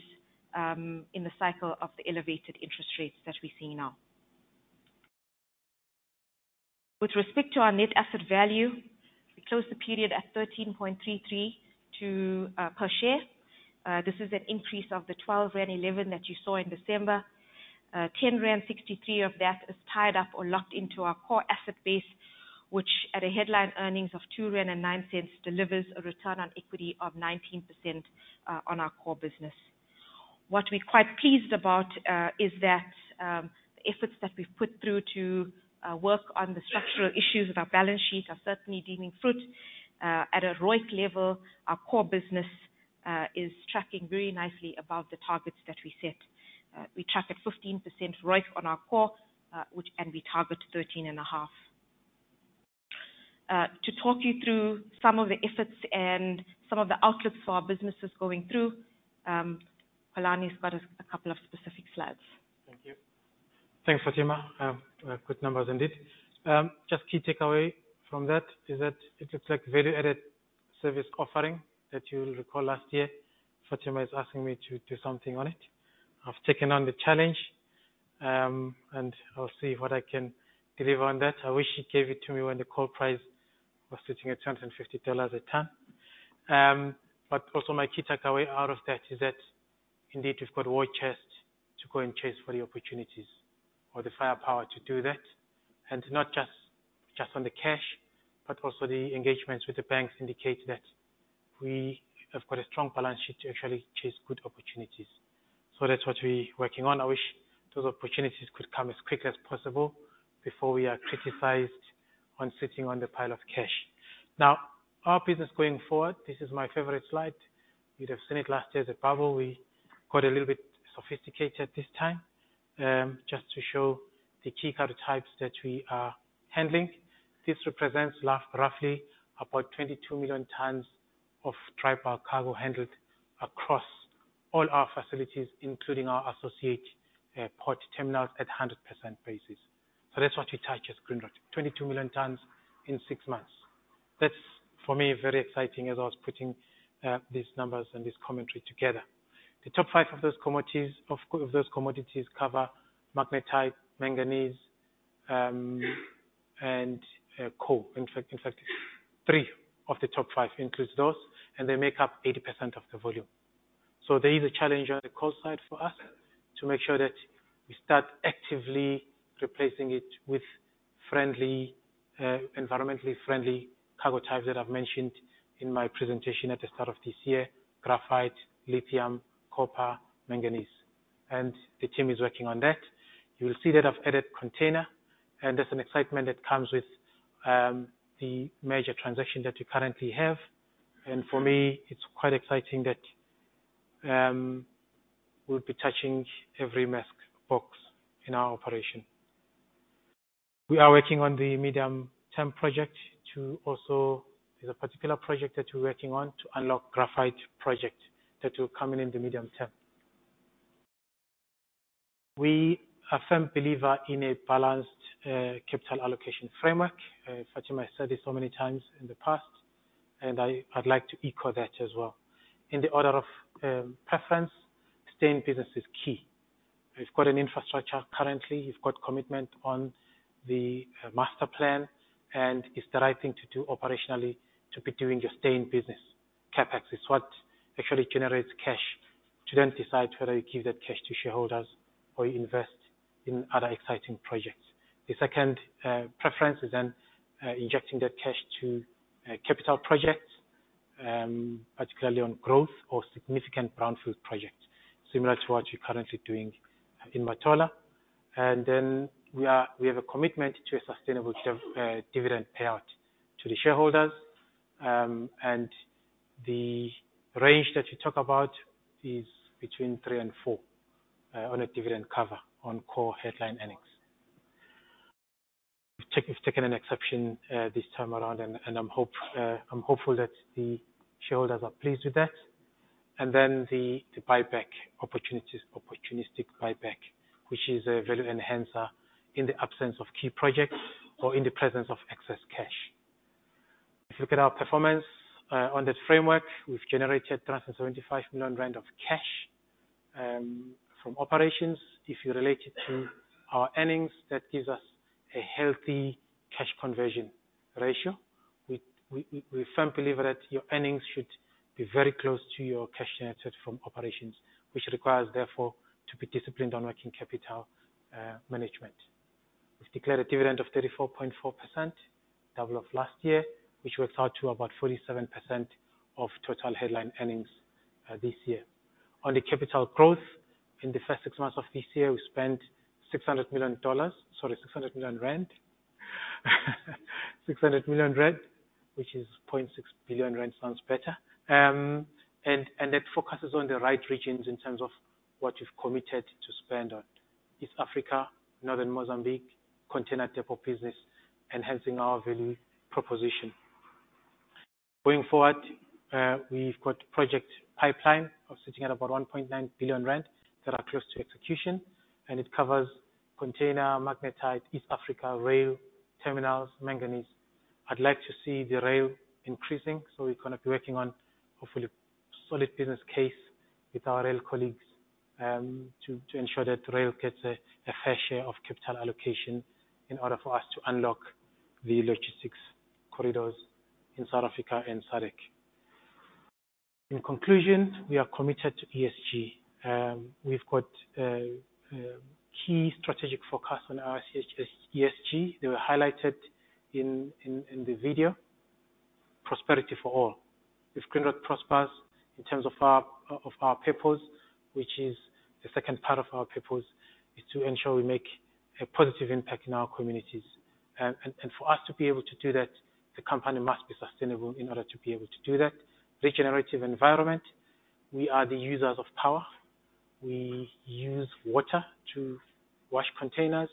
S2: in the cycle of the elevated interest rates that we're seeing now. With respect to our net asset value, we closed the period at 13.33 per share. This is an increase of the 12.11 rand that you saw in December. 10.63 rand of that is tied up or locked into our core asset base, which at a headline earnings of 2.09 rand, delivers a return on equity of 19% on our core business. What we're quite pleased about is that the efforts that we've put through to work on the structural issues of our balance sheet are certainly deeming fruit. At a ROIC level, our core business is tracking very nicely above the targets that we set. We track at 15% ROIC on our core, and we target 13.5. To talk you through some of the efforts and some of the outlook for our businesses going through, Xolani's got a couple of specific slides.
S1: Thank you. Thanks, Fathima. Good numbers indeed. Key takeaway from that is that it looks like value-added service offering that you'll recall last year. Fathima is asking me to do something on it. I've taken on the challenge, and I'll see what I can deliver on that. I wish she gave it to me when the coal price was sitting at $250 a ton. But for my key takeaway out of that is that indeed we've got war chest to go and chase for the opportunities or the firepower to do that. Not just on the cash, but also the engagements with the banks indicate that we have got a strong balance sheet to actually chase good opportunities. That's what we're working on. I wish those opportunities could come as quickly as possible before we are criticized on sitting on the pile of cash. Now, our business going forward, this is my favorite slide. You'd have seen it last year as a bubble. We got a little bit sophisticated this time, just to show the key cargo types that we are handling. This represents roughly about 22 million tons of dry bulk cargo handled across all our facilities, including our associate port terminals at 100% basis. That's what we touch as Grindrod, 22 million tons in six months. That's, for me, very exciting as I was putting these numbers and this commentary together. The top five of those commodities cover magnetite, manganese, and coal. In fact, three of the top five includes those, and they make up 80% of the volume. So there is a challenge on the coal side for us to make sure that we start actively replacing it with environmentally friendly cargo types that I've mentioned in my presentation at the start of this year. Graphite, lithium, copper, manganese, and the team is working on that. You'll see that I've added container, and that's an excitement that comes with the major transaction that we currently have. For me, it's quite exciting that we'll be touching every Maersk box in our operation. We are working on the medium-term project, there's a particular project that we're working on to unlock graphite project that will come in in the medium term. We are a firm believer in a balanced capital allocation framework. Fathima has said this so many times in the past, and I'd like to echo that as well. In the order of preference, staying in business is key. We've got an infrastructure currently. We've got commitment on the master plan, and it's the right thing to do operationally to be doing your stay-in business. CapEx is what actually generates cash to then decide whether you give that cash to shareholders or you invest in other exciting projects. The second preference is then injecting that cash to capital projects, particularly on growth or significant brownfield projects, similar to what we're currently doing in Matola. Then we have a commitment to a sustainable dividend payout to the shareholders. And the range that we talk about is between three and four on a dividend cover on core headline earnings. We've taken an exception this time around, and I'm hopeful that the shareholders are pleased with that. Then the buyback opportunities, opportunistic buyback, which is a value enhancer in the absence of key projects or in the presence of excess cash. If you look at our performance on that framework, we've generated 375 million rand of cash from operations. If you relate it to our earnings, that gives us a healthy cash conversion ratio. We firmly believe that your earnings should be very close to your cash generated from operations, which requires, therefore, to be disciplined on working capital management. We've declared a dividend of 34.4%, double of last year, which works out to about 47% of total headline earnings this year. On the capital growth, in the first six months of this year, we spent ZAR 600 million. 600 million rand, which is 0.6 billion rand, sounds better. That focuses on the right regions in terms of what we've committed to spend on. East Africa, northern Mozambique, container depot business, enhancing our value proposition. Going forward, we've got project pipeline of sitting at about 1.9 billion rand that are close to execution, and it covers container, magnetite, East Africa, rail, terminals, manganese. I'd like to see the rail increasing, so we're going to be working on, hopefully, solid business case with our rail colleagues, to ensure that rail gets a fair share of capital allocation in order for us to unlock the logistics corridors in South Africa and SADC. In conclusion, we are committed to ESG. We've got a key strategic focus on our ESG. They were highlighted in the video. Prosperity for all. If Grindrod prospers in terms of our purpose, which is the second part of our purpose, is to ensure we make a positive impact in our communities. And for us to be able to do that, the company must be sustainable in order to be able to do that. Regenerative environment. We are the users of power. We use water to wash containers.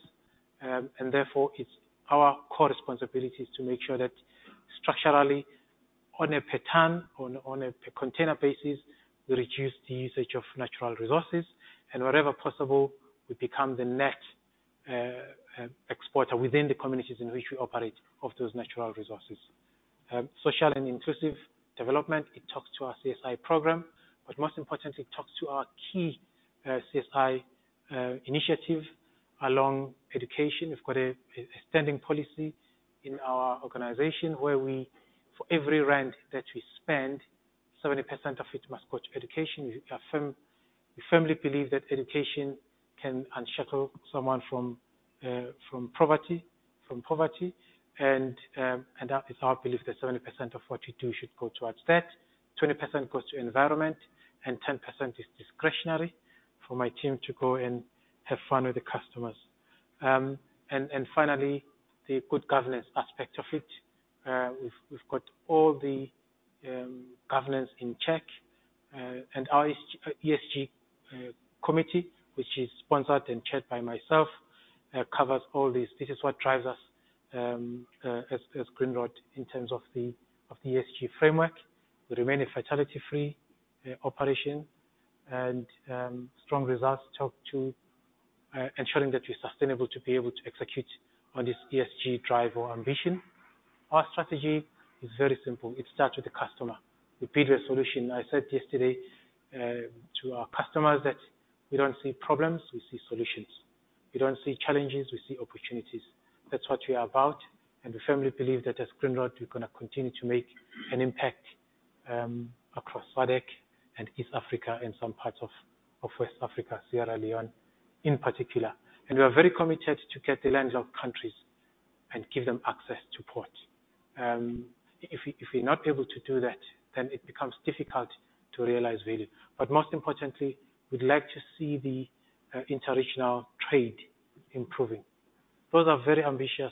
S1: And therefore, our core responsibility is to make sure that structurally on a per ton, on a per container basis, we reduce the usage of natural resources. And wherever possible, we become the net exporter within the communities in which we operate of those natural resources. Social and inclusive development. It talks to our CSI program. Most importantly, it talks to our key CSI initiative along education. We've got a standing policy in our organization where for every ZAR that we spend, 70% of it must go to education. We firmly believe that education can unshackle someone from poverty, and that is our belief that 70% of what we do should go towards that, 20% goes to environment, and 10% is discretionary for my team to go and have fun with the customers. And finally, the good governance aspect of it. We've got all the governance in check, and our ESG committee, which is sponsored and chaired by myself, covers all this. This is what drives us, as Grindrod, in terms of the ESG framework. We remain a fatality-free operation, and strong results talk to ensuring that we're sustainable to be able to execute on this ESG drive or ambition. Our strategy is very simple. It starts with the customer, the business solution. I said yesterday, to our customers that we don't see problems, we see solutions. We don't see challenges, we see opportunities. That's what we are about, and we firmly believe that as Grindrod, we're going to continue to make an impact, across SADC and East Africa and some parts of West Africa, Sierra Leone in particular. We are very committed to get the landlocked countries and give them access to port. If we're not able to do that, then it becomes difficult to realize value. Most importantly, we'd like to see the international trade improving. Those are very ambitious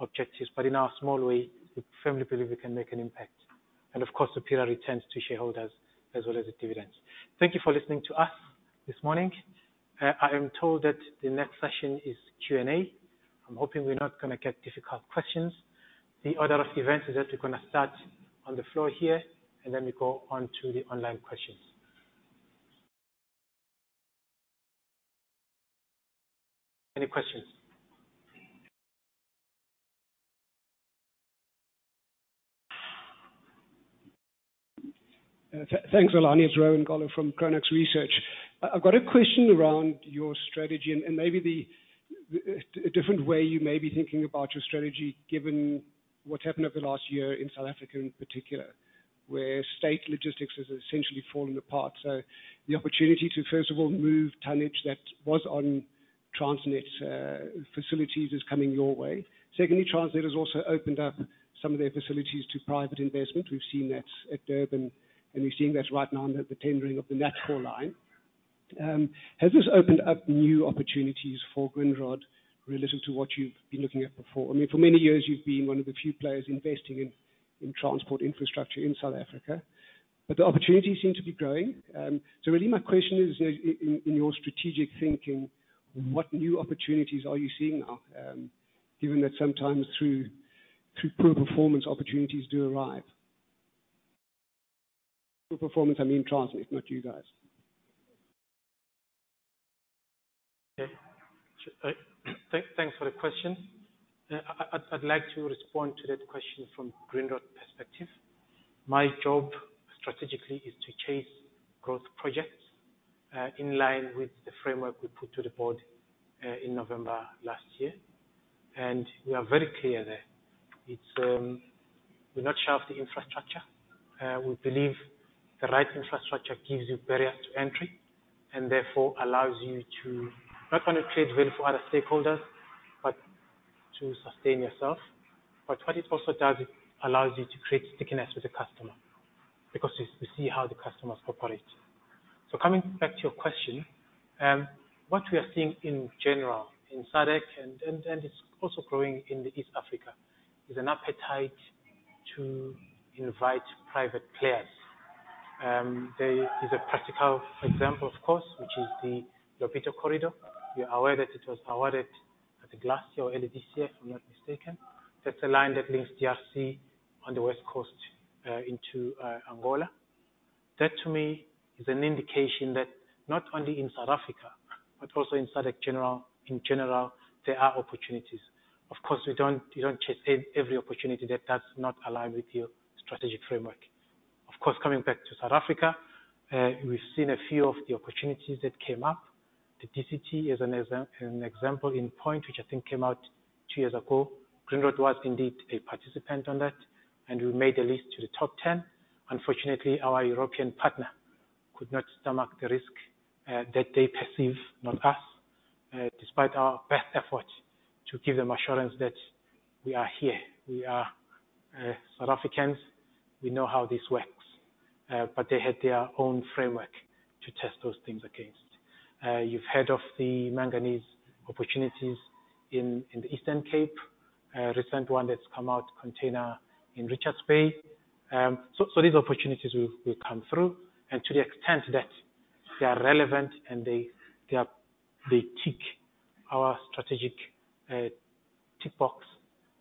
S1: objectives, but in our small way, we firmly believe we can make an impact. Of course, superior returns to shareholders as well as the dividends. Thank you for listening to us this morning. I am told that the next session is Q&A. I'm hoping we're not going to get difficult questions. The order of events is that we're going to start on the floor here, and then we go on to the online questions. Any questions?
S3: Thanks, Xolani. It's Rowan Gollop from Cratos Capital. I've got a question around your strategy and maybe the different way you may be thinking about your strategy, given what's happened over the last year in South Africa in particular, where state logistics has essentially fallen apart. The opportunity to, first of all, move tonnage that was on Transnet's facilities is coming your way. Transnet has also opened up some of their facilities to private investment. We've seen that at Durban, and we're seeing this right now in the tendering of the NATCOR line. Has this opened up new opportunities for Grindrod relative to what you've been looking at before? I mean, for many years, you've been one of the few players investing in transport infrastructure in South Africa, the opportunities seem to be growing. Really my question is, in your strategic thinking, what new opportunities are you seeing now, given that sometimes through poor performance, opportunities do arrive. Poor performance, I mean Transnet, not you guys.
S1: Okay. Thanks for the question. I'd like to respond to that question from Grindrod perspective. My job strategically is to chase growth projects, in line with the framework we put to the board in November last year. We are very clear there. We're not shy of the infrastructure. We believe the right infrastructure gives you barriers to entry, therefore allows you to not only create value for other stakeholders, but to sustain yourself. What it also does, it allows you to create stickiness with the customer because we see how the customers operate. Coming back to your question, what we are seeing in general in SADC, and it's also growing in the East Africa, is an appetite to invite private players. There is a practical example, of course, which is the Lobito corridor. We are aware that it was awarded at the last year, if I'm not mistaken. That's a line that links DRC on the West Coast, into Angola. That to me is an indication that not only in South Africa, but also in SADC in general, there are opportunities. Of course you don't chase every opportunity that does not align with your strategic framework. Coming back to South Africa, we've seen a few of the opportunities that came up. The TCT is an example in point, which I think came out two years ago. Grindrod was indeed a participant in that, we made the list to the top 10. Unfortunately, our European partner could not stomach the risk that they perceive, not us, despite our best efforts to give them assurance that we are here. We are South Africans. We know how this works. But they had their own framework to test those things against. You've heard of the manganese opportunities in the Eastern Cape. A recent one that's come out, container in Richards Bay. These opportunities will come through, and to the extent that they are relevant and they tick our strategic tick box,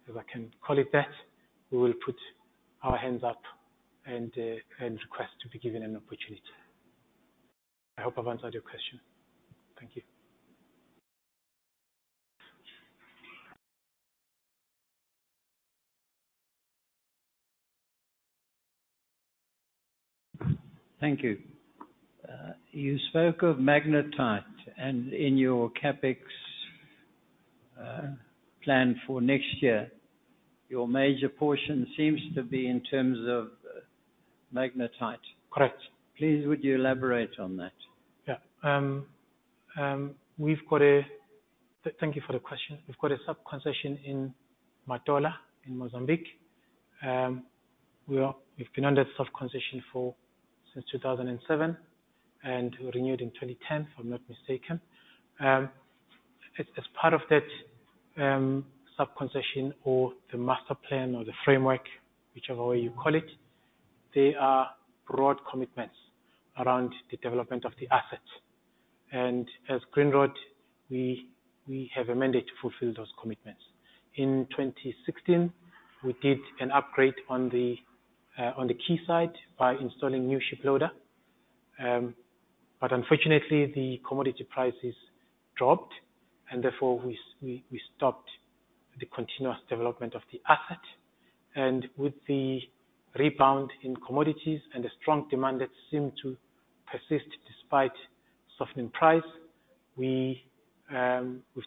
S1: if I can call it that, we will put our hands up and request to be given an opportunity. I hope I've answered your question. Thank you.
S4: Thank you. You spoke of magnetite, and in your CapEx plan for next year, your major portion seems to be in terms of magnetite.
S1: Correct.
S4: Please, would you elaborate on that?
S1: Thank you for the question. We've got a sub-concession in Matola in Mozambique. We've been under sub-concession since 2007, and we renewed in 2010, if I'm not mistaken. As part of that sub-concession or the master plan or the framework, whichever way you call it, there are broad commitments around the development of the asset. As Grindrod, we have a mandate to fulfill those commitments. In 2016, we did an upgrade on the quay side by installing a new ship loader. Unfortunately, the commodity prices dropped, and therefore we stopped the continuous development of the asset. With the rebound in commodities and the strong demand that seemed to persist despite softening price, we've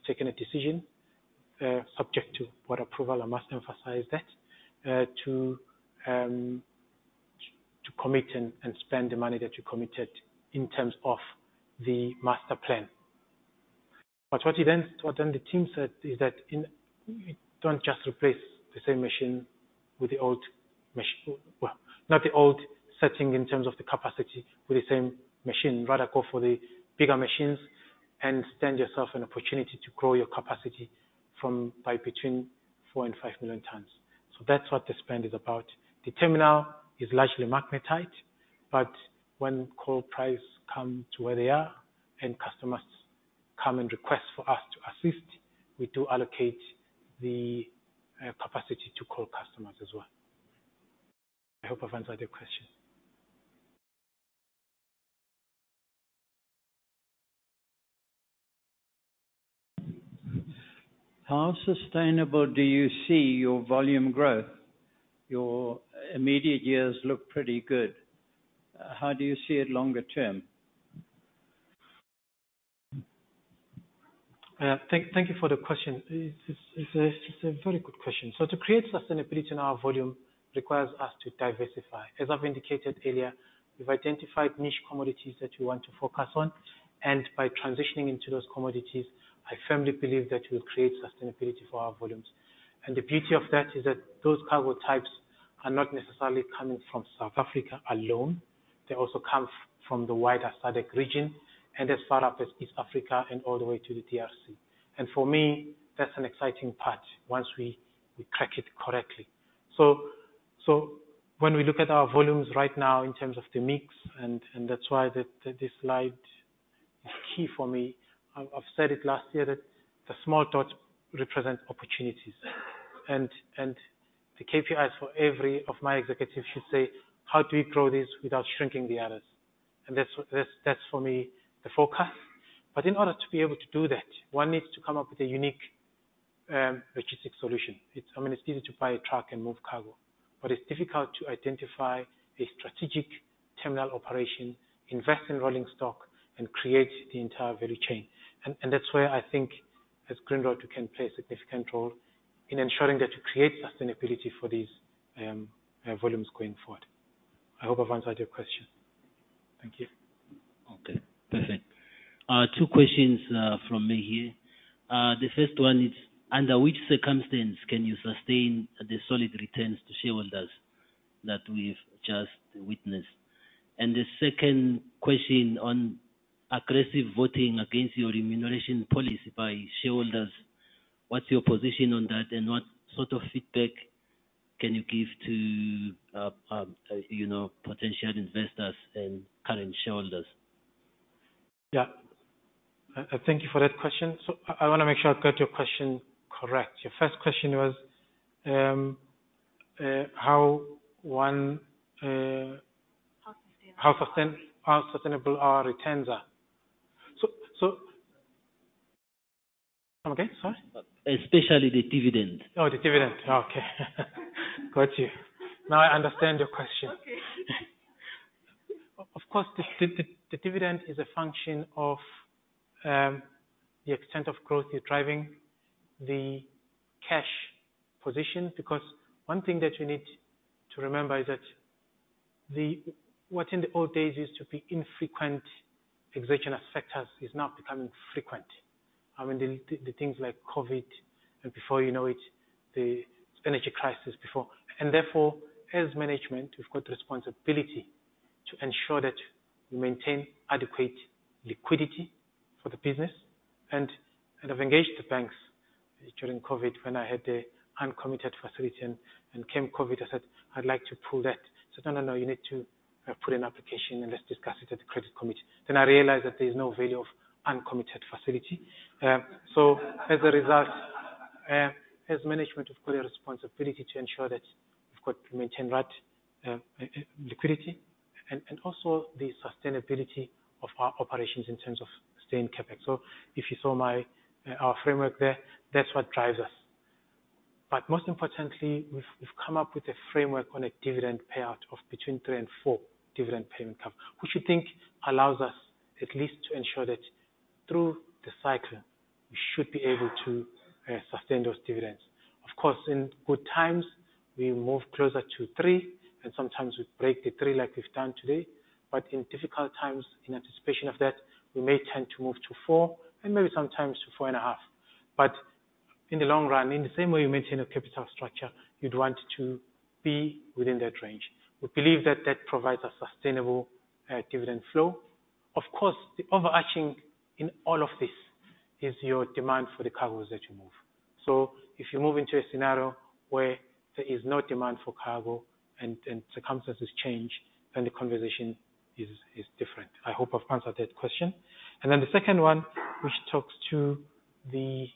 S1: taken a decision, subject to board approval, I must emphasize that, to commit and spend the money that we committed in terms of the master plan. What the team said is that we don't just replace the same machine with the old machine. Not the old setting in terms of the capacity for the same machine. Rather go for the bigger machines and stand yourself an opportunity to grow your capacity from between 4 and 5 million tonnes. That's what the spend is about. The terminal is largely magnetite, but when coal prices come to where they are, and customers come and request for us to assist, we do allocate the capacity to coal customers as well. I hope I've answered your question.
S4: How sustainable do you see your volume growth? Your immediate years look pretty good. How do you see it longer term?
S1: Thank you for the question. It's a very good question. To create sustainability in our volume requires us to diversify. As I've indicated earlier, we've identified niche commodities that we want to focus on, and by transitioning into those commodities, I firmly believe that we'll create sustainability for our volumes. The beauty of that is that those cargo types are not necessarily coming from South Africa alone. They also come from the wider SADC region and as far up as East Africa and all the way to the DRC. And for me, that's an exciting part once we crack it correctly. So when we look at our volumes right now in terms of the mix, and that's why this slide is key for me. I've said it last year that the small dots represent opportunities. The KPIs for every of my executives should say: How do we grow this without shrinking the others? That's for me, the forecast. In order to be able to do that, one needs to come up with a unique logistics solution. I mean, it's easy to buy a truck and move cargo, but it's difficult to identify a strategic terminal operation, invest in rolling stock, and create the entire value chain. That's where I think as Grindrod, we can play a significant role in ensuring that we create sustainability for these volumes going forward. I hope I've answered your question. Thank you.
S4: Okay, perfect. Two questions from me here. The first one is, under which circumstance can you sustain the solid returns to shareholders that we've just witnessed? The second question on aggressive voting against your remuneration policy by shareholders, what's your position on that, and what sort of feedback can you give to potential investors and current shareholders?
S1: Yeah. Thank you for that question. I want to make sure I've got your question correct. Your first question was, how
S4: How sustainable-
S1: How sustainable our returns are. Come again, sorry.
S4: Especially the dividend.
S1: The dividend. Okay. Got you. Now I understand your question.
S4: Okay.
S1: Of course, the dividend is a function of the extent of growth you're driving, the cash position. Because one thing that we need to remember is that what in the old days used to be infrequent exogenous factors is now becoming frequent. I mean, things like COVID. Before you know it, the energy crisis before. Therefore, as management, we've got responsibility to ensure that we maintain adequate liquidity for the business. I've engaged the banks during COVID when I had the uncommitted facility, came COVID, I said, "I'd like to pull that." They said, "No, no, you need to put an application, let's discuss it at the credit committee." I realized that there's no value of uncommitted facility. As a result, as management, we've got a responsibility to ensure that we've got to maintain right liquidity and also the sustainability of our operations in terms of sustained CapEx. If you saw our framework there, that's what drives us. But most importantly, we've come up with a framework on a dividend payout of between three and four dividend payment cover, which we think allows us at least to ensure that through the cycle, we should be able to sustain those dividends. Of course, in good times, we move closer to three, and sometimes we break the three like we've done today. But in difficult times, in anticipation of that, we may tend to move to four and maybe sometimes to four and a half. In the long run, in the same way you maintain a capital structure, you'd want to be within that range. We believe that that provides a sustainable dividend flow. Of course, the overarching in all of this is your demand for the cargoes that you move. So if you move into a scenario where there is no demand for cargo and circumstances change, then the conversation is different. I hope I've answered that question. The second one, which talks to the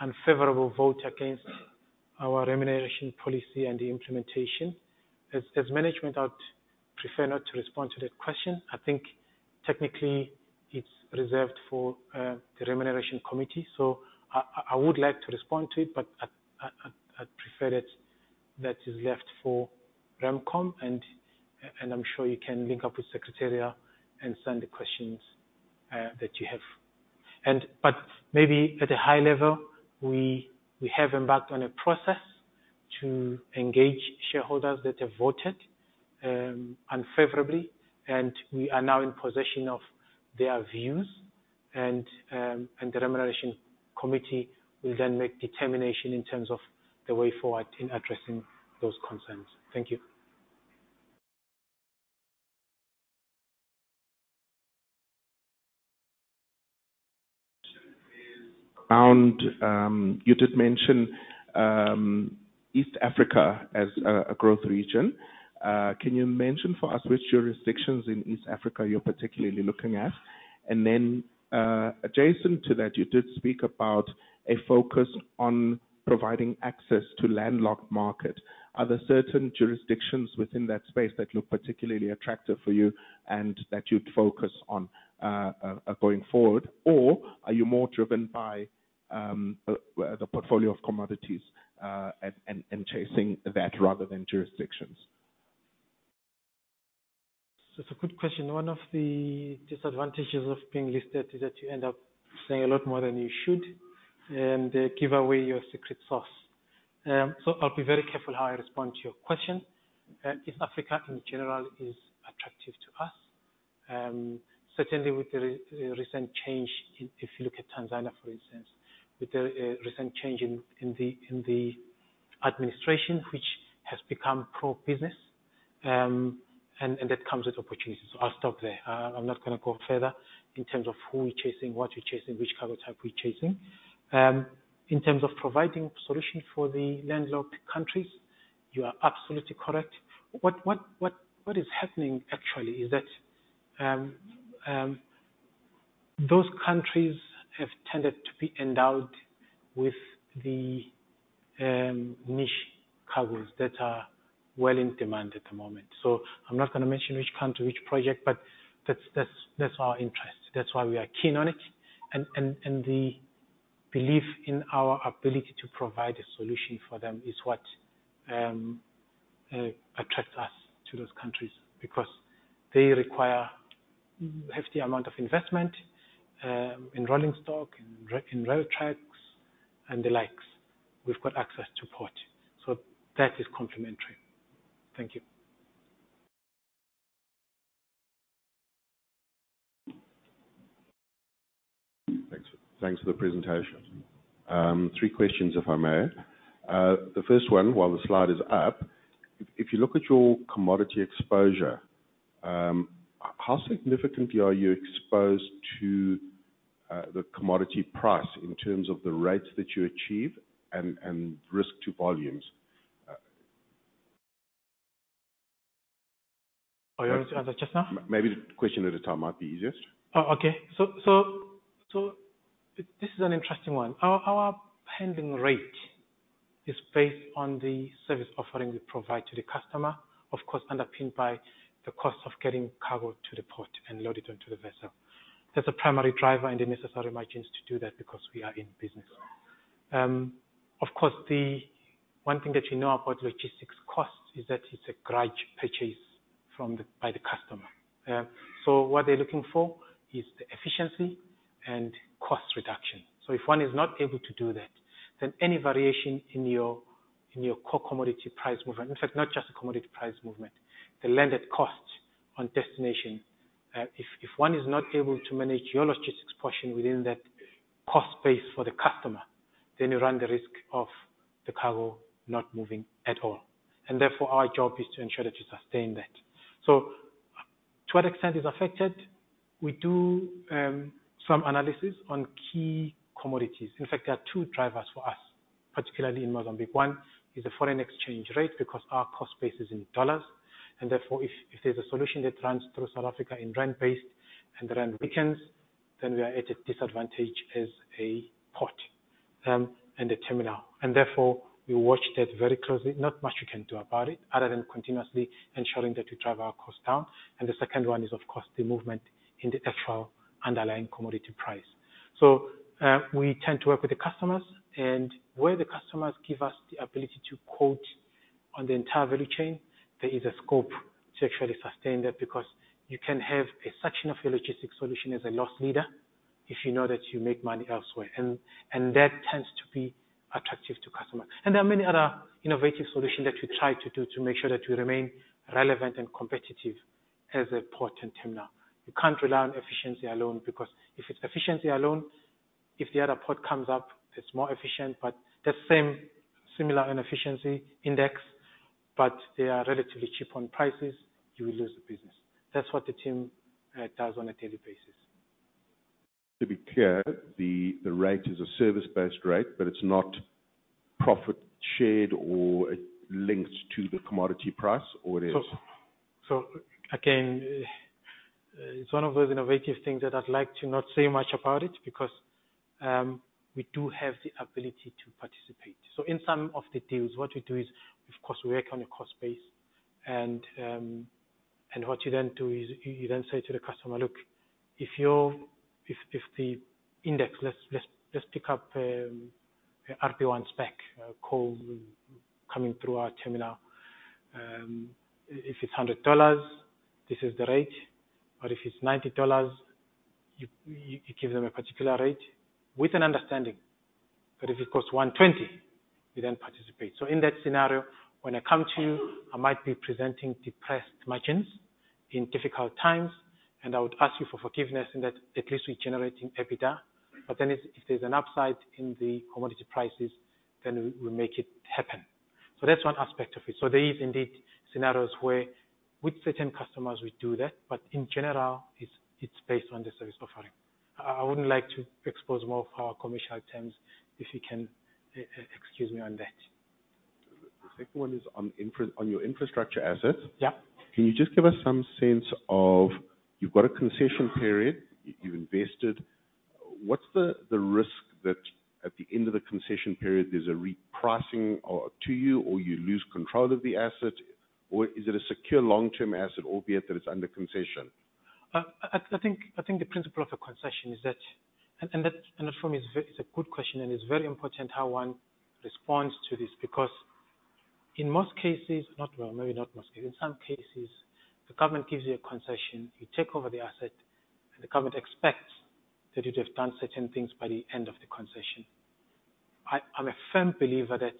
S1: unfavorable vote against our remuneration policy and the implementation. As management, I'd prefer not to respond to that question. I think technically it's reserved for the Remuneration Committee. So I would like to respond to it, but I'd prefer that that is left for RemCom, and I'm sure you can link up with secretariat and send the questions that you have. Maybe at a high level, we have embarked on a process to engage shareholders that have voted unfavorably, and we are now in possession of their views. And the Remuneration Committee will then make determination in terms of the way forward in addressing those concerns. Thank you.
S4: And you did mention East Africa as a growth region. Can you mention for us which jurisdictions in East Africa you're particularly looking at? And then adjacent to that, you did speak about a focus on providing access to landlocked market. Are there certain jurisdictions within that space that look particularly attractive for you and that you'd focus on going forward? Or are you more driven by the portfolio of commodities, and chasing that rather than jurisdictions?
S1: It's a good question. One of the disadvantages of being listed is that you end up saying a lot more than you should and give away your secret sauce. I'll be very careful how I respond to your question. East Africa, in general, is attractive to us. Certainly, with the recent change, if you look at Tanzania, for instance, with the recent change in the administration, which has become pro-business, and that comes with opportunities. I'll stop there. I'm not going to go further in terms of who we're chasing, what we're chasing, which cargo type we're chasing. In terms of providing solutions for the landlocked countries, you are absolutely correct. What is happening, actually, is that those countries have tended to be endowed with the niche cargos that are well in demand at the moment. I'm not going to mention which country, which project, but that's our interest. That's why we are keen on it. The belief in our ability to provide a solution for them is what attracts us to those countries because they require hefty amount of investment in rolling stock, in rail tracks, and the likes. We've got access to port. That is complementary. Thank you.
S4: Thanks for the presentation. Three questions, if I may. The first one, while the slide is up, if you look at your commodity exposure, how significantly are you exposed to the commodity price in terms of the rates that you achieve and risk to volumes?
S1: Oh, you want me to answer just now?
S5: Maybe the question at a time might be easiest.
S1: Oh, okay. So this is an interesting one. Our handling rate is based on the service offering we provide to the customer, of course, underpinned by the cost of getting cargo to the port and loaded onto the vessel. That's a primary driver, and the necessary margins to do that because we are in business. Of course, the one thing that you know about logistics costs is that it's a grudge purchase by the customer. So what they're looking for is the efficiency and cost reduction. If one is not able to do that, then any variation in your core commodity price movement, in fact, not just the commodity price movement, the landed cost on destination. If one is not able to manage your logistics portion within that cost base for the customer, then you run the risk of the cargo not moving at all. And therefore, our job is to ensure that we sustain that. To what extent is affected, we do some analysis on key commodities. In fact, there are two drivers for us, particularly in Mozambique. One is the foreign exchange rate because our cost base is in USD. Therefore, if there's a solution that runs through South Africa in rand-based, and the rand weakens, then we are at a disadvantage as a port and a terminal. And therefore, we watch that very closely. Not much we can do about it other than continuously ensuring that we drive our cost down. The second one is, of course, the movement in the actual underlying commodity price. So we tend to work with the customers, and where the customers give us the ability to quote on the entire value chain, there is a scope to actually sustain that because you can have a section of your logistics solution as a loss leader if you know that you make money elsewhere. That tends to be attractive to customers. There are many other innovative solutions that we try to do to make sure that we remain relevant and competitive as a port and terminal. You can't rely on efficiency alone, because if it's efficiency alone, if the other port comes up, it's more efficient, but that same similar inefficiency index, but they are relatively cheap on prices, you will lose the business. That's what the team does on a daily basis.
S4: To be clear, the rate is a service-based rate, but it's not profit-shared or linked to the commodity price, or it is?
S1: Again, it's one of those innovative things that I'd like to not say much about it because we do have the ability to participate. In some of the deals, what we do is, of course, we work on a cost base, and what you then do is you then say to the customer, "Look, if you know, if the index, let's pick up, RB1 spec, coal coming through our terminal. If it's $100, this is the rate. If it's $90, you give them a particular rate with an understanding. If it costs $120, you then participate. In that scenario, when I come to you, I might be presenting depressed margins in difficult times, and I would ask you for forgiveness in that at least we're generating EBITDA. If there's an upside in the commodity prices, then we make it happen. That's one aspect of it. There is indeed scenarios where with certain customers we do that, but in general, it's based on the service offering. I wouldn't like to expose more of our commercial terms, if you can excuse me on that.
S6: The second one is on your infrastructure assets.
S1: Yeah.
S4: Can you just give us some sense of, you've got a concession period, you've invested. What's the risk that at the end of the concession period, there's a repricing to you, or you lose control of the asset, or is it a secure long-term asset, albeit that it's under concession?
S1: I think the principle of a concession is that for me is a good question, it's very important how one responds to this, because in most cases, well, maybe not most cases, in some cases, the government gives you a concession, you take over the asset, and the government expects that you'd have done certain things by the end of the concession. I'm a firm believer that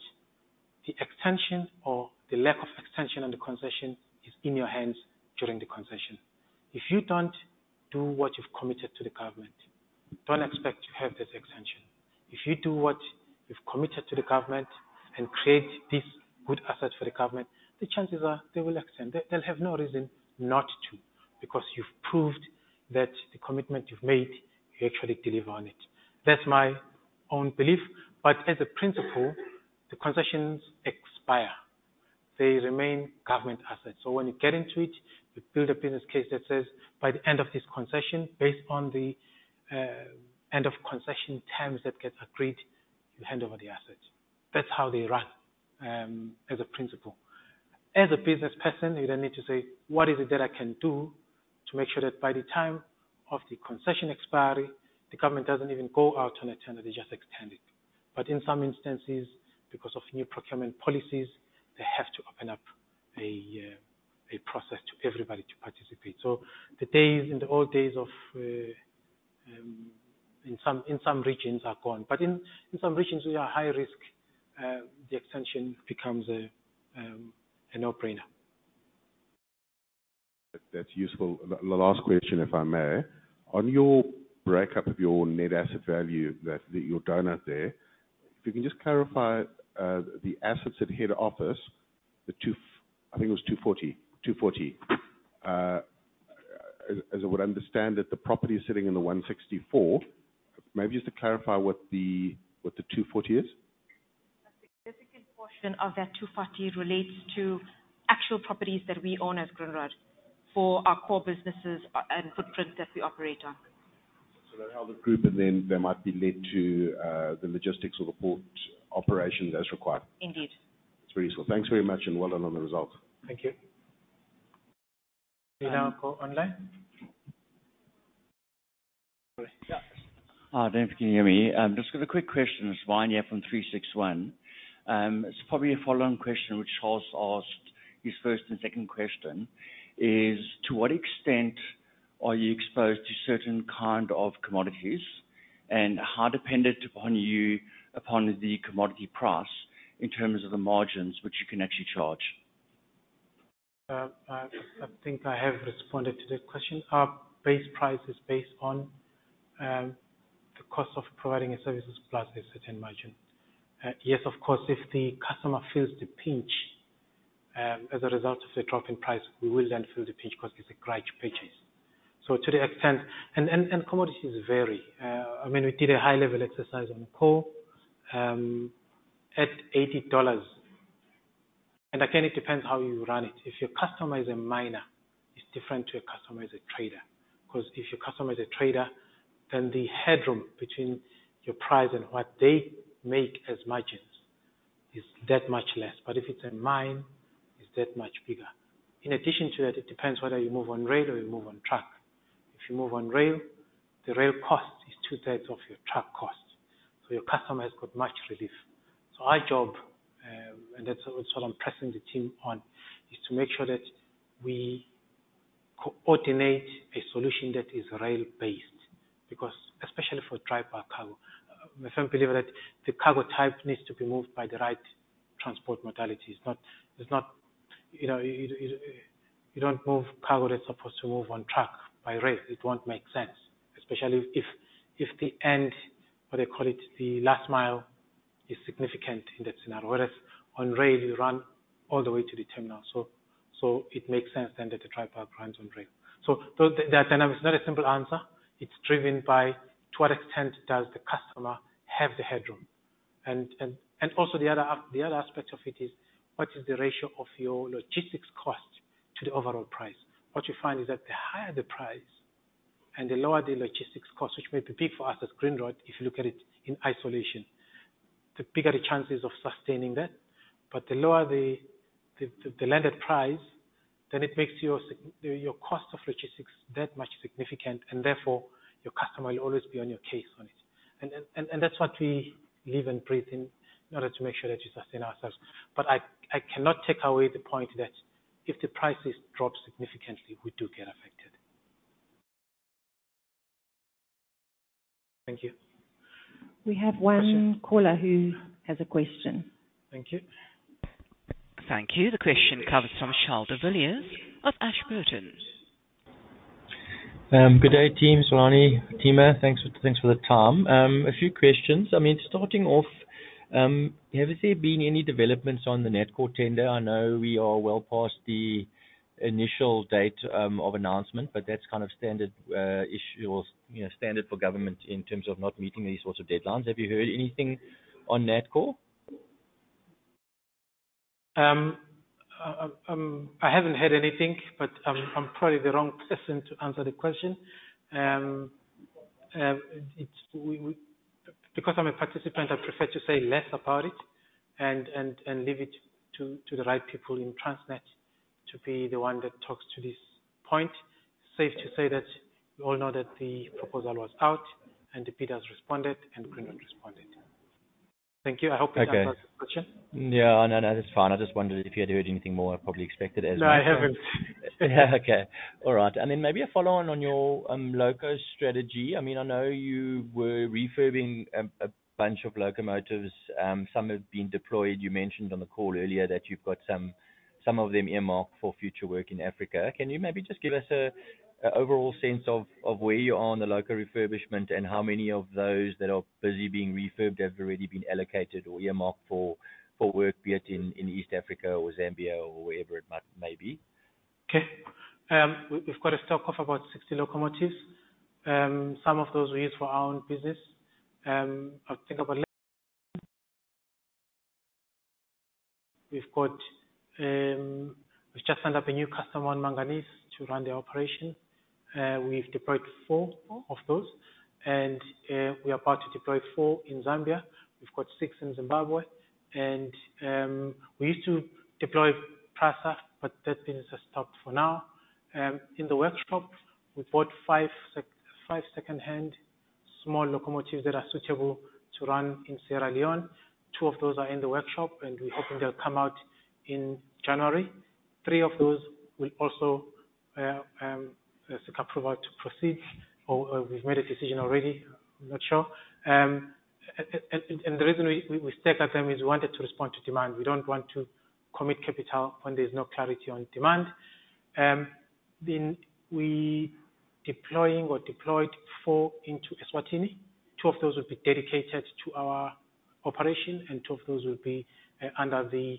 S1: the extension or the lack of extension on the concession is in your hands during the concession. If you don't do what you've committed to the government, don't expect to have this extension. If you do what you've committed to the government and create this good asset for the government, the chances are they will extend. They'll have no reason not to, because you've proved that the commitment you've made, you actually deliver on it. That's my own belief. But as a principle, the concessions expire. They remain government assets. When you get into it, you build a business case that says, by the end of this concession, based on the end of concession terms that get agreed, you hand over the assets. That's how they run, as a principle. As a business person, you then need to say, what is it that I can do to make sure that by the time of the concession expiry, the government doesn't even go out on a tender, they just extend it. In some instances, because of new procurement policies, they have to open up a process to everybody to participate. The days, in the old days of, in some regions are gone. In some regions which are high risk, the extension becomes a no-brainer.
S4: That's useful. The last question, if I may. On your breakup of your net asset value, that your donut there, if you can just clarify, the assets at head office, I think it was 240. As I would understand it, the property is sitting in the 164. Maybe just to clarify what the 240 is.
S2: A significant portion of that 240 relates to actual properties that we own as Grindrod for our core businesses and footprint that we operate on.
S5: They're held as Group, and then they might be let to the Logistics or the port operation as required.
S2: Indeed.
S5: That's very useful. Thanks very much, and well done on the results.
S1: Thank you. We now go online. Yeah.
S6: Hi, don't know if you can hear me. Just got a quick question. It's Wayne here from 361. It's probably a follow-on question, which Charles asked. His first and second question is, to what extent are you exposed to certain kind of commodities, and how dependent upon the commodity price in terms of the margins which you can actually charge?
S1: I think I have responded to that question. Our base price is based on the cost of providing a service plus a certain margin. Yes, of course, if the customer feels the pinch, as a result of a drop in price, we will then feel the pinch because it's a grade purchase. To the extent. Commodities vary. We did a high-level exercise on coal, at ZAR 80. Again, it depends how you run it. If your customer is a miner, it's different to a customer who's a trader. If your customer is a trader, then the headroom between your price and what they make as margins is that much less. If it's a mine, it's that much bigger. In addition to that, it depends whether you move on rail or you move on truck. If you move on rail, the rail cost is two-thirds of your truck cost, your customer has got much relief. Our job, and that's what I'm pressing the team on, is to make sure that we coordinate a solution that is rail-based, especially for dry bulk cargo. I'm a firm believer that the cargo type needs to be moved by the right transport modality. You don't move cargo that's supposed to move on truck by rail. It won't make sense, especially if, the end, what they call it, the last mile is significant in that scenario. Whereas on rail, you run all the way to the terminal. So it makes sense then that the dry bulk runs on rail. There's no simple answer. It's driven by to what extent does the customer have the headroom. And also the other aspect of it is what is the ratio of your logistics cost to the overall price. What you find is that the higher the price and the lower the logistics cost, which may be big for us as Grindrod, if you look at it in isolation, the bigger the chances of sustaining that. But the lower the landed price, then it makes your cost of logistics that much significant. Therefore, your customer will always be on your case on it. That's what we live and breathe in order to make sure that we sustain ourselves. I cannot take away the point that if the prices drop significantly, we do get affected.
S5: Thank you.
S1: We have one caller who has a question.
S5: Thank you.
S2: Thank you. The question comes from Charl de Villiers of Ashburton.
S5: Good day, team. Xolani, Fathima, thanks for the time. A few questions. Starting off, has there been any developments on the NATCOR tender? I know we are well past the initial date of announcement, that's standard for government in terms of not meeting these sorts of deadlines. Have you heard anything on NATCOR?
S1: I haven't heard anything, I'm probably the wrong person to answer the question. I'm a participant, I prefer to say less about it and leave it to the right people in Transnet to be the one that talks to this point. Safe to say that we all know that the proposal was out, the bidders responded, Grindrod responded. Thank you. I hope you answered the question.
S5: No, that's fine. I just wondered if you had heard anything more. I probably expected as much.
S1: No, I haven't.
S5: Okay. All right. Then maybe a follow-on on your loco strategy. I know you were refurbishing a bunch of locomotives. Some have been deployed. You mentioned on the call earlier that you've got some of them earmarked for future work in Africa. Can you maybe just give us an overall sense of where you are on the loco refurbishment, and how many of those that are busy being refurbished have already been allocated or earmarked for work, be it in East Africa or Zambia or wherever it might maybe?
S1: Okay. We've got a stock of about 60 locomotives. Some of those we use for our own business. I think about we've just signed up a new customer on manganese to run their operation. We've deployed four of those, and we are about to deploy four in Zambia. We've got six in Zimbabwe. We used to deploy PRASA, but that business has stopped for now. In the workshop, we bought five secondhand small locomotives that are suitable to run in Sierra Leone. Two of those are in the workshop, and we're hoping they'll come out in January. Three of those will also seek approval to proceed, or we've made a decision already. I'm not sure. The reason we stagger them is we wanted to respond to demand. We don't want to commit capital when there's no clarity on demand. We're deploying or deployed four into Eswatini. Two of those will be dedicated to our operation, and two of those will be under the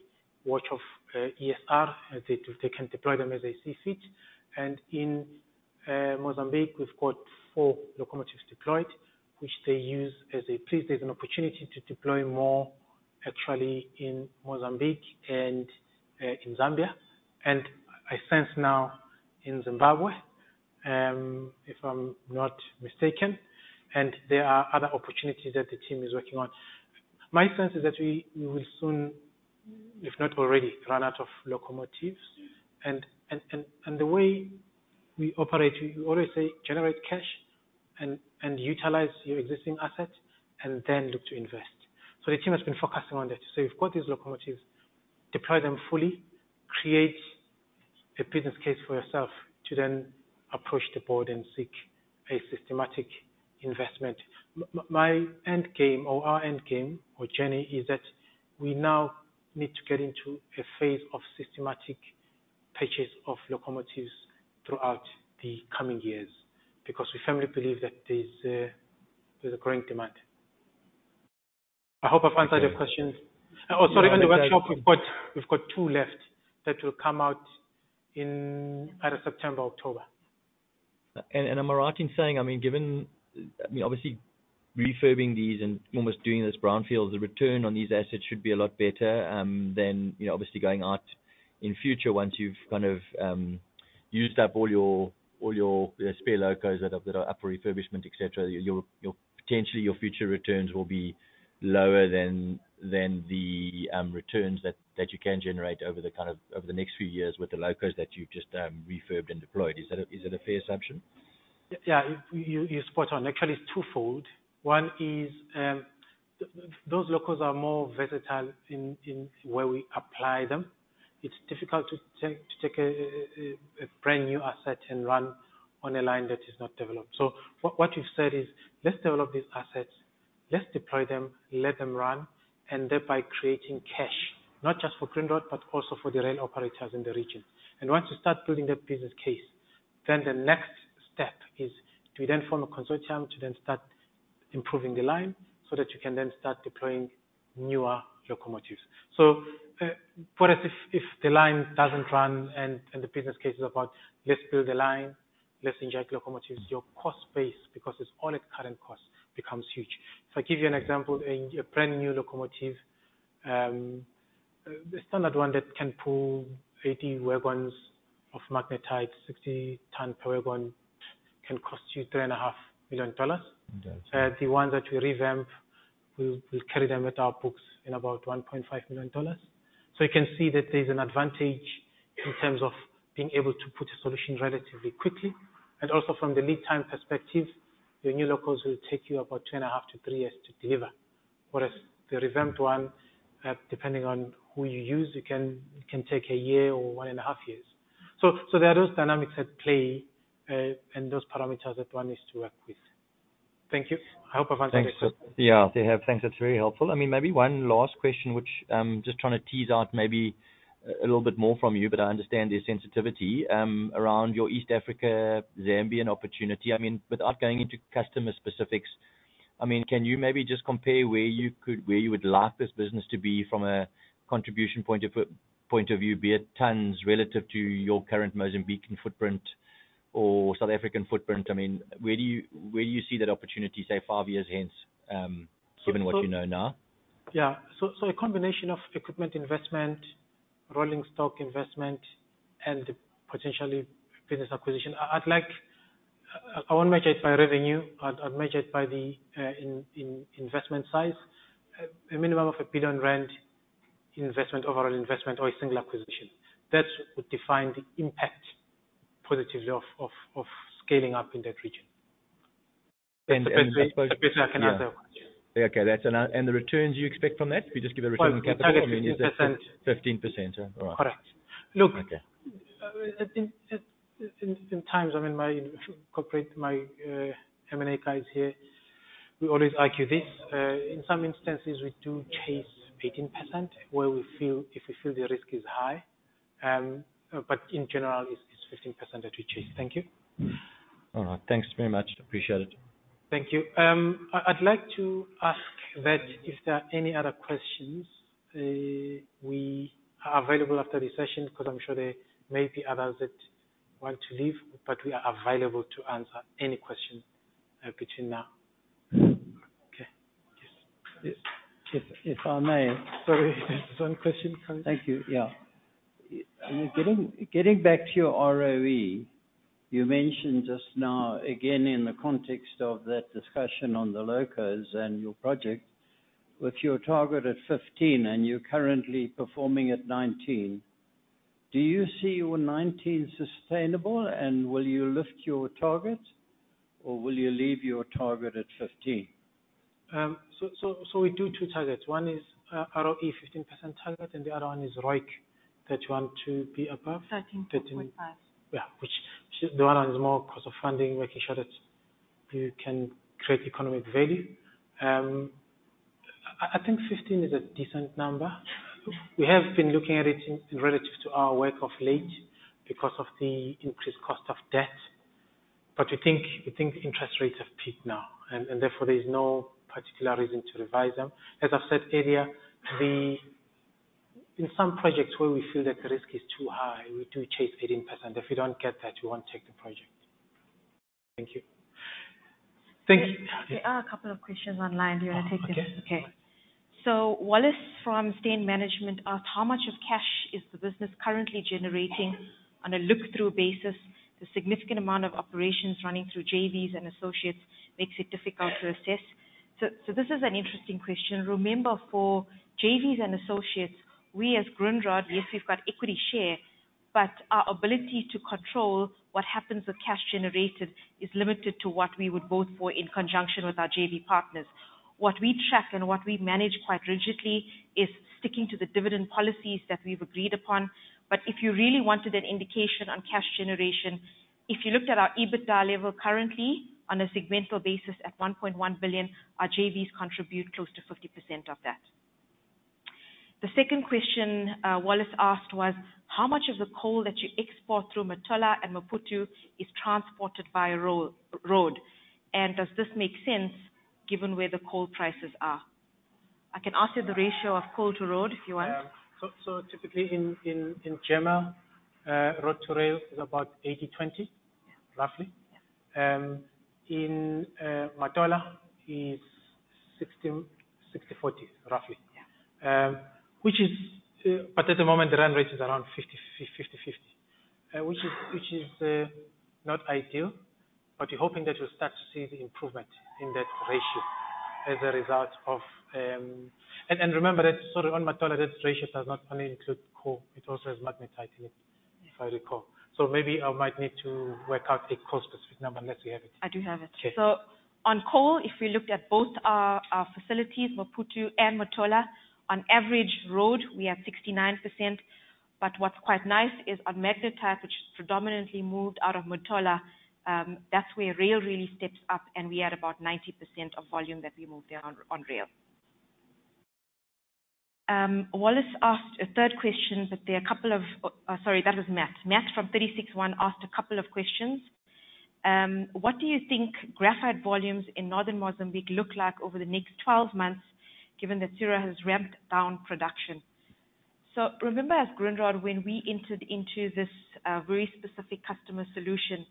S1: watch of ESR. They can deploy them as they see fit. In Mozambique, we've got four locomotives deployed, which they use as they please. There's an opportunity to deploy more, actually, in Mozambique and in Zambia, and I sense now in Zimbabwe, if I'm not mistaken. There are other opportunities that the team is working on. My sense is that we will soon, if not already, run out of locomotives. And the way we operate, we always say, "Generate cash and utilize your existing asset, and then look to invest." The team has been focusing on that. We've got these locomotives, deploy them fully, create a business case for yourself to then approach the board and seek a systematic investment. My end game or our end game or journey is that we now need to get into a phase of systematic purchase of locomotives throughout the coming years, because we firmly believe that there's a growing demand. I hope I've answered your questions. Oh, sorry. On the workshop, we've got two left that will come out in either September or October.
S5: Am I right in saying, given, obviously, refurbishing these and almost doing this brownfield, the return on these assets should be a lot better, than obviously going out in future once you've used up all your spare locos that are up for refurbishment, et cetera. Potentially, your future returns will be lower than the returns that you can generate over the next few years with the locos that you've just refurbed and deployed. Is that a fair assumption?
S1: Yeah. You're spot on. Actually, it's twofold. One is, those locos are more versatile in where we apply them. It's difficult to take a brand-new asset and run on a line that is not developed. What you've said is, "Let's develop these assets, let's deploy them, let them run, and thereby creating cash, not just for Grindrod, but also for the rail operators in the region." Once you start building that business case, the next step is to form a consortium to start improving the line so that you can start deploying newer locomotives. For us, if the line doesn't run and the business case is about let's build a line, let's inject locomotives, your cost base, because it's all at current cost, becomes huge. If I give you an example, a brand-new locomotive, the standard one that can pull 80 wagons of magnetite, 60 ton per wagon, can cost you $3.5 million.
S5: Okay.
S1: The ones that we revamp, we'll carry them at our books in about $1.5 million. You can see that there's an advantage in terms of being able to put a solution relatively quickly. Also from the lead time perspective, your new locos will take you about two and a half to three years to deliver. Whereas the revamped one, depending on who you use, it can take a year or one and a half years. There are those dynamics at play, and those parameters that one needs to work with. Thank you. I hope I've answered that question.
S5: Yeah. You have. Thanks. That's very helpful. Maybe one last question, which I'm just trying to tease out maybe a little bit more from you, but I understand the sensitivity, around your East Africa, Zambian opportunity. Without going into customer specifics, can you maybe just compare where you would like this business to be from a contribution point of view, be it tons relative to your current Mozambican footprint or South African footprint? Where do you see that opportunity, say, five years hence, given what you know now?
S1: Yeah. A combination of equipment investment, rolling stock investment, and potentially business acquisition. I won't measure it by revenue, I'd measure it by the investment size. A minimum of a 1 billion rand investment, overall investment or a single acquisition. That would define the impact positively of scaling up in that region.
S5: I suppose.
S1: The best way I can answer your question.
S5: Yeah. Okay. The returns you expect from that? If you just give a return on capital.
S1: For the target is 15%.
S5: 15%. All right.
S1: Correct.
S5: Okay
S1: Sometimes, my corporate, my M&A guys here, we always argue this. In some instances, we do chase 18% if we feel the risk is high. In general, it's 15% that we chase. Thank you.
S5: All right. Thanks very much. Appreciate it.
S1: Thank you. I'd like to ask that if there are any other questions, we are available after this session, because I'm sure there may be others that want to leave, but we are available to answer any question between now. Okay. Yes.
S4: If I may. Sorry.
S1: One question coming.
S4: Thank you. Yeah. Getting back to your ROE, you mentioned just now, again, in the context of that discussion on the locos and your project, with your target at 15, and you're currently performing at 19, do you see your 19 sustainable, and will you lift your target, or will you leave your target at 15?
S1: So we do two targets. One is ROE, 15% target, and the other one is ROIC, 31.2 be above.
S2: 13.5.
S1: Yeah. That one is more cost of funding, making sure that you can create economic value. I think 15 is a decent number. We have been looking at it relative to our work of late because of the increased cost of debt. We think interest rates have peaked now, and therefore, there's no particular reason to revise them. As I've said earlier, in some projects where we feel that the risk is too high, we do chase 18%. If we don't get that, we won't take the project. Thank you.
S2: There are a couple of questions online. Do you want to take those?
S1: Okay.
S2: Okay. Wallace from Stain Management asked, "How much of cash is the business currently generating on a look-through basis? The significant amount of operations running through JVs and associates makes it difficult to assess." This is an interesting question. Remember, for JVs and associates, we, as Grindrod, yes, we've got equity share, but our ability to control what happens with cash generated is limited to what we would vote for in conjunction with our JV partners. What we track and what we manage quite rigidly is sticking to the dividend policies that we've agreed upon. If you really wanted an indication on cash generation, if you looked at our EBITDA level currently on a segmental basis at 1.1 billion, our JVs contribute close to 50% of that. The second question Wallace asked was, "How much of the coal that you export through Matola and Maputo is transported via road? Does this make sense given where the coal prices are?" I can answer the ratio of coal to road, if you want.
S1: Typically in Gama, road to rail is about 80/20.
S2: Yeah.
S1: Roughly.
S2: Yeah.
S1: In Matola, it's 60/40, roughly.
S2: Yeah.
S1: At the moment, the run rate is around 50/50, which is not ideal, but we're hoping that we'll start to see the improvement in that ratio. As a result of, uh, and I remember that, sorry, on Matola, that ratio does not only include coal, it also has magnetite in it.
S2: Yeah.
S1: If I recall. Maybe I might need to work out a coal specific number, unless you have it.
S2: I do have it.
S1: Okay.
S2: On coal, if we looked at both our facilities, Maputo and Matola, on average road, we have 69%. What's quite nice is on magnetite, which is predominantly moved out of Matola, that's where rail really steps up, and we had about 90% of volume that we moved there on rail. Wallace asked a third question. Matt from 36ONE asked a couple of questions. "What do you think graphite volumes in northern Mozambique look like over the next 12 months, given that Syrah has ramped down production?" So remember, as Grindrod, when we entered into this very specific customer solution,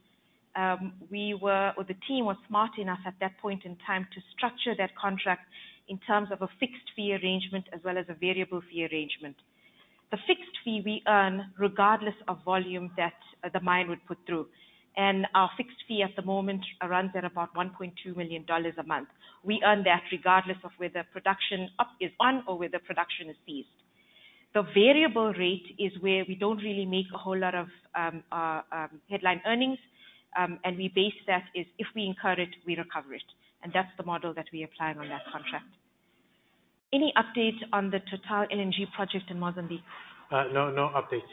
S2: the team was smart enough at that point in time to structure that contract in terms of a fixed fee arrangement as well as a variable fee arrangement. The fixed fee we earn regardless of volume that the mine would put through. And our fixed fee at the moment runs at about $1.2 million a month. We earn that regardless of whether production is on or whether production is ceased. The variable rate is where we don't really make a whole lot of headline earnings, and we base that is if we incur it, we recover it. That's the model that we applied on that contract. Any update on the TotalEnergies project in Mozambique?
S1: No update.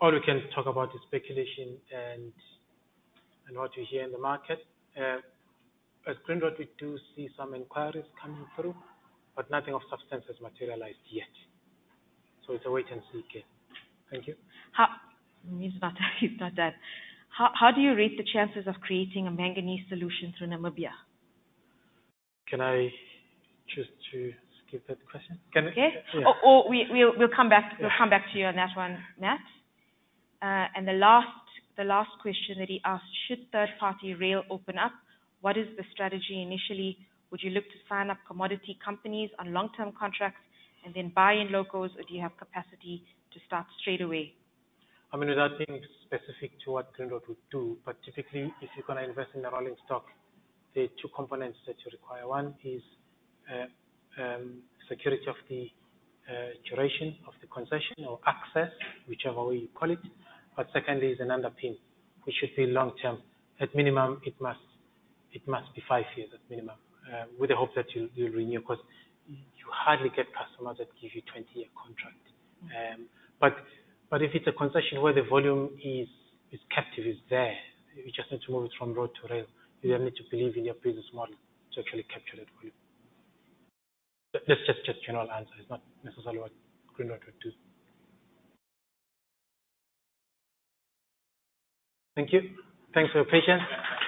S1: All we can talk about is speculation and what we hear in the market. As Grindrod, we do see some inquiries coming through, nothing of substance has materialized yet. It's a wait-and-see game. Thank you.
S2: He's not done. How do you rate the chances of creating a manganese solution through Namibia?
S1: Can I choose to skip that question?
S2: Okay.
S1: Yeah.
S2: We'll come back to you on that one, Matt. The last question that he asked, "Should third-party rail open up? What is the strategy initially? Would you look to sign up commodity companies on long-term contracts and then buy in locos, or do you have capacity to start straight away?
S1: Without being specific to what Grindrod would do, but typically, if you're going to invest in a rolling stock, there are two components that you require. One is security of the duration of the concession or access, whichever way you call it. Secondly, is an underpin, which should be long-term. At minimum, it must be five years, at minimum, with the hope that you'll renew, because you hardly get customers that give you a 20-year contract. And if it's a concession where the volume is captive, it's there. You just need to move it from road to rail. You then need to believe in your business model to actually capture that for you. That's just a general answer. It's not necessarily what Grindrod would do. Thank you. Thanks for your patience.
S2: Thank you.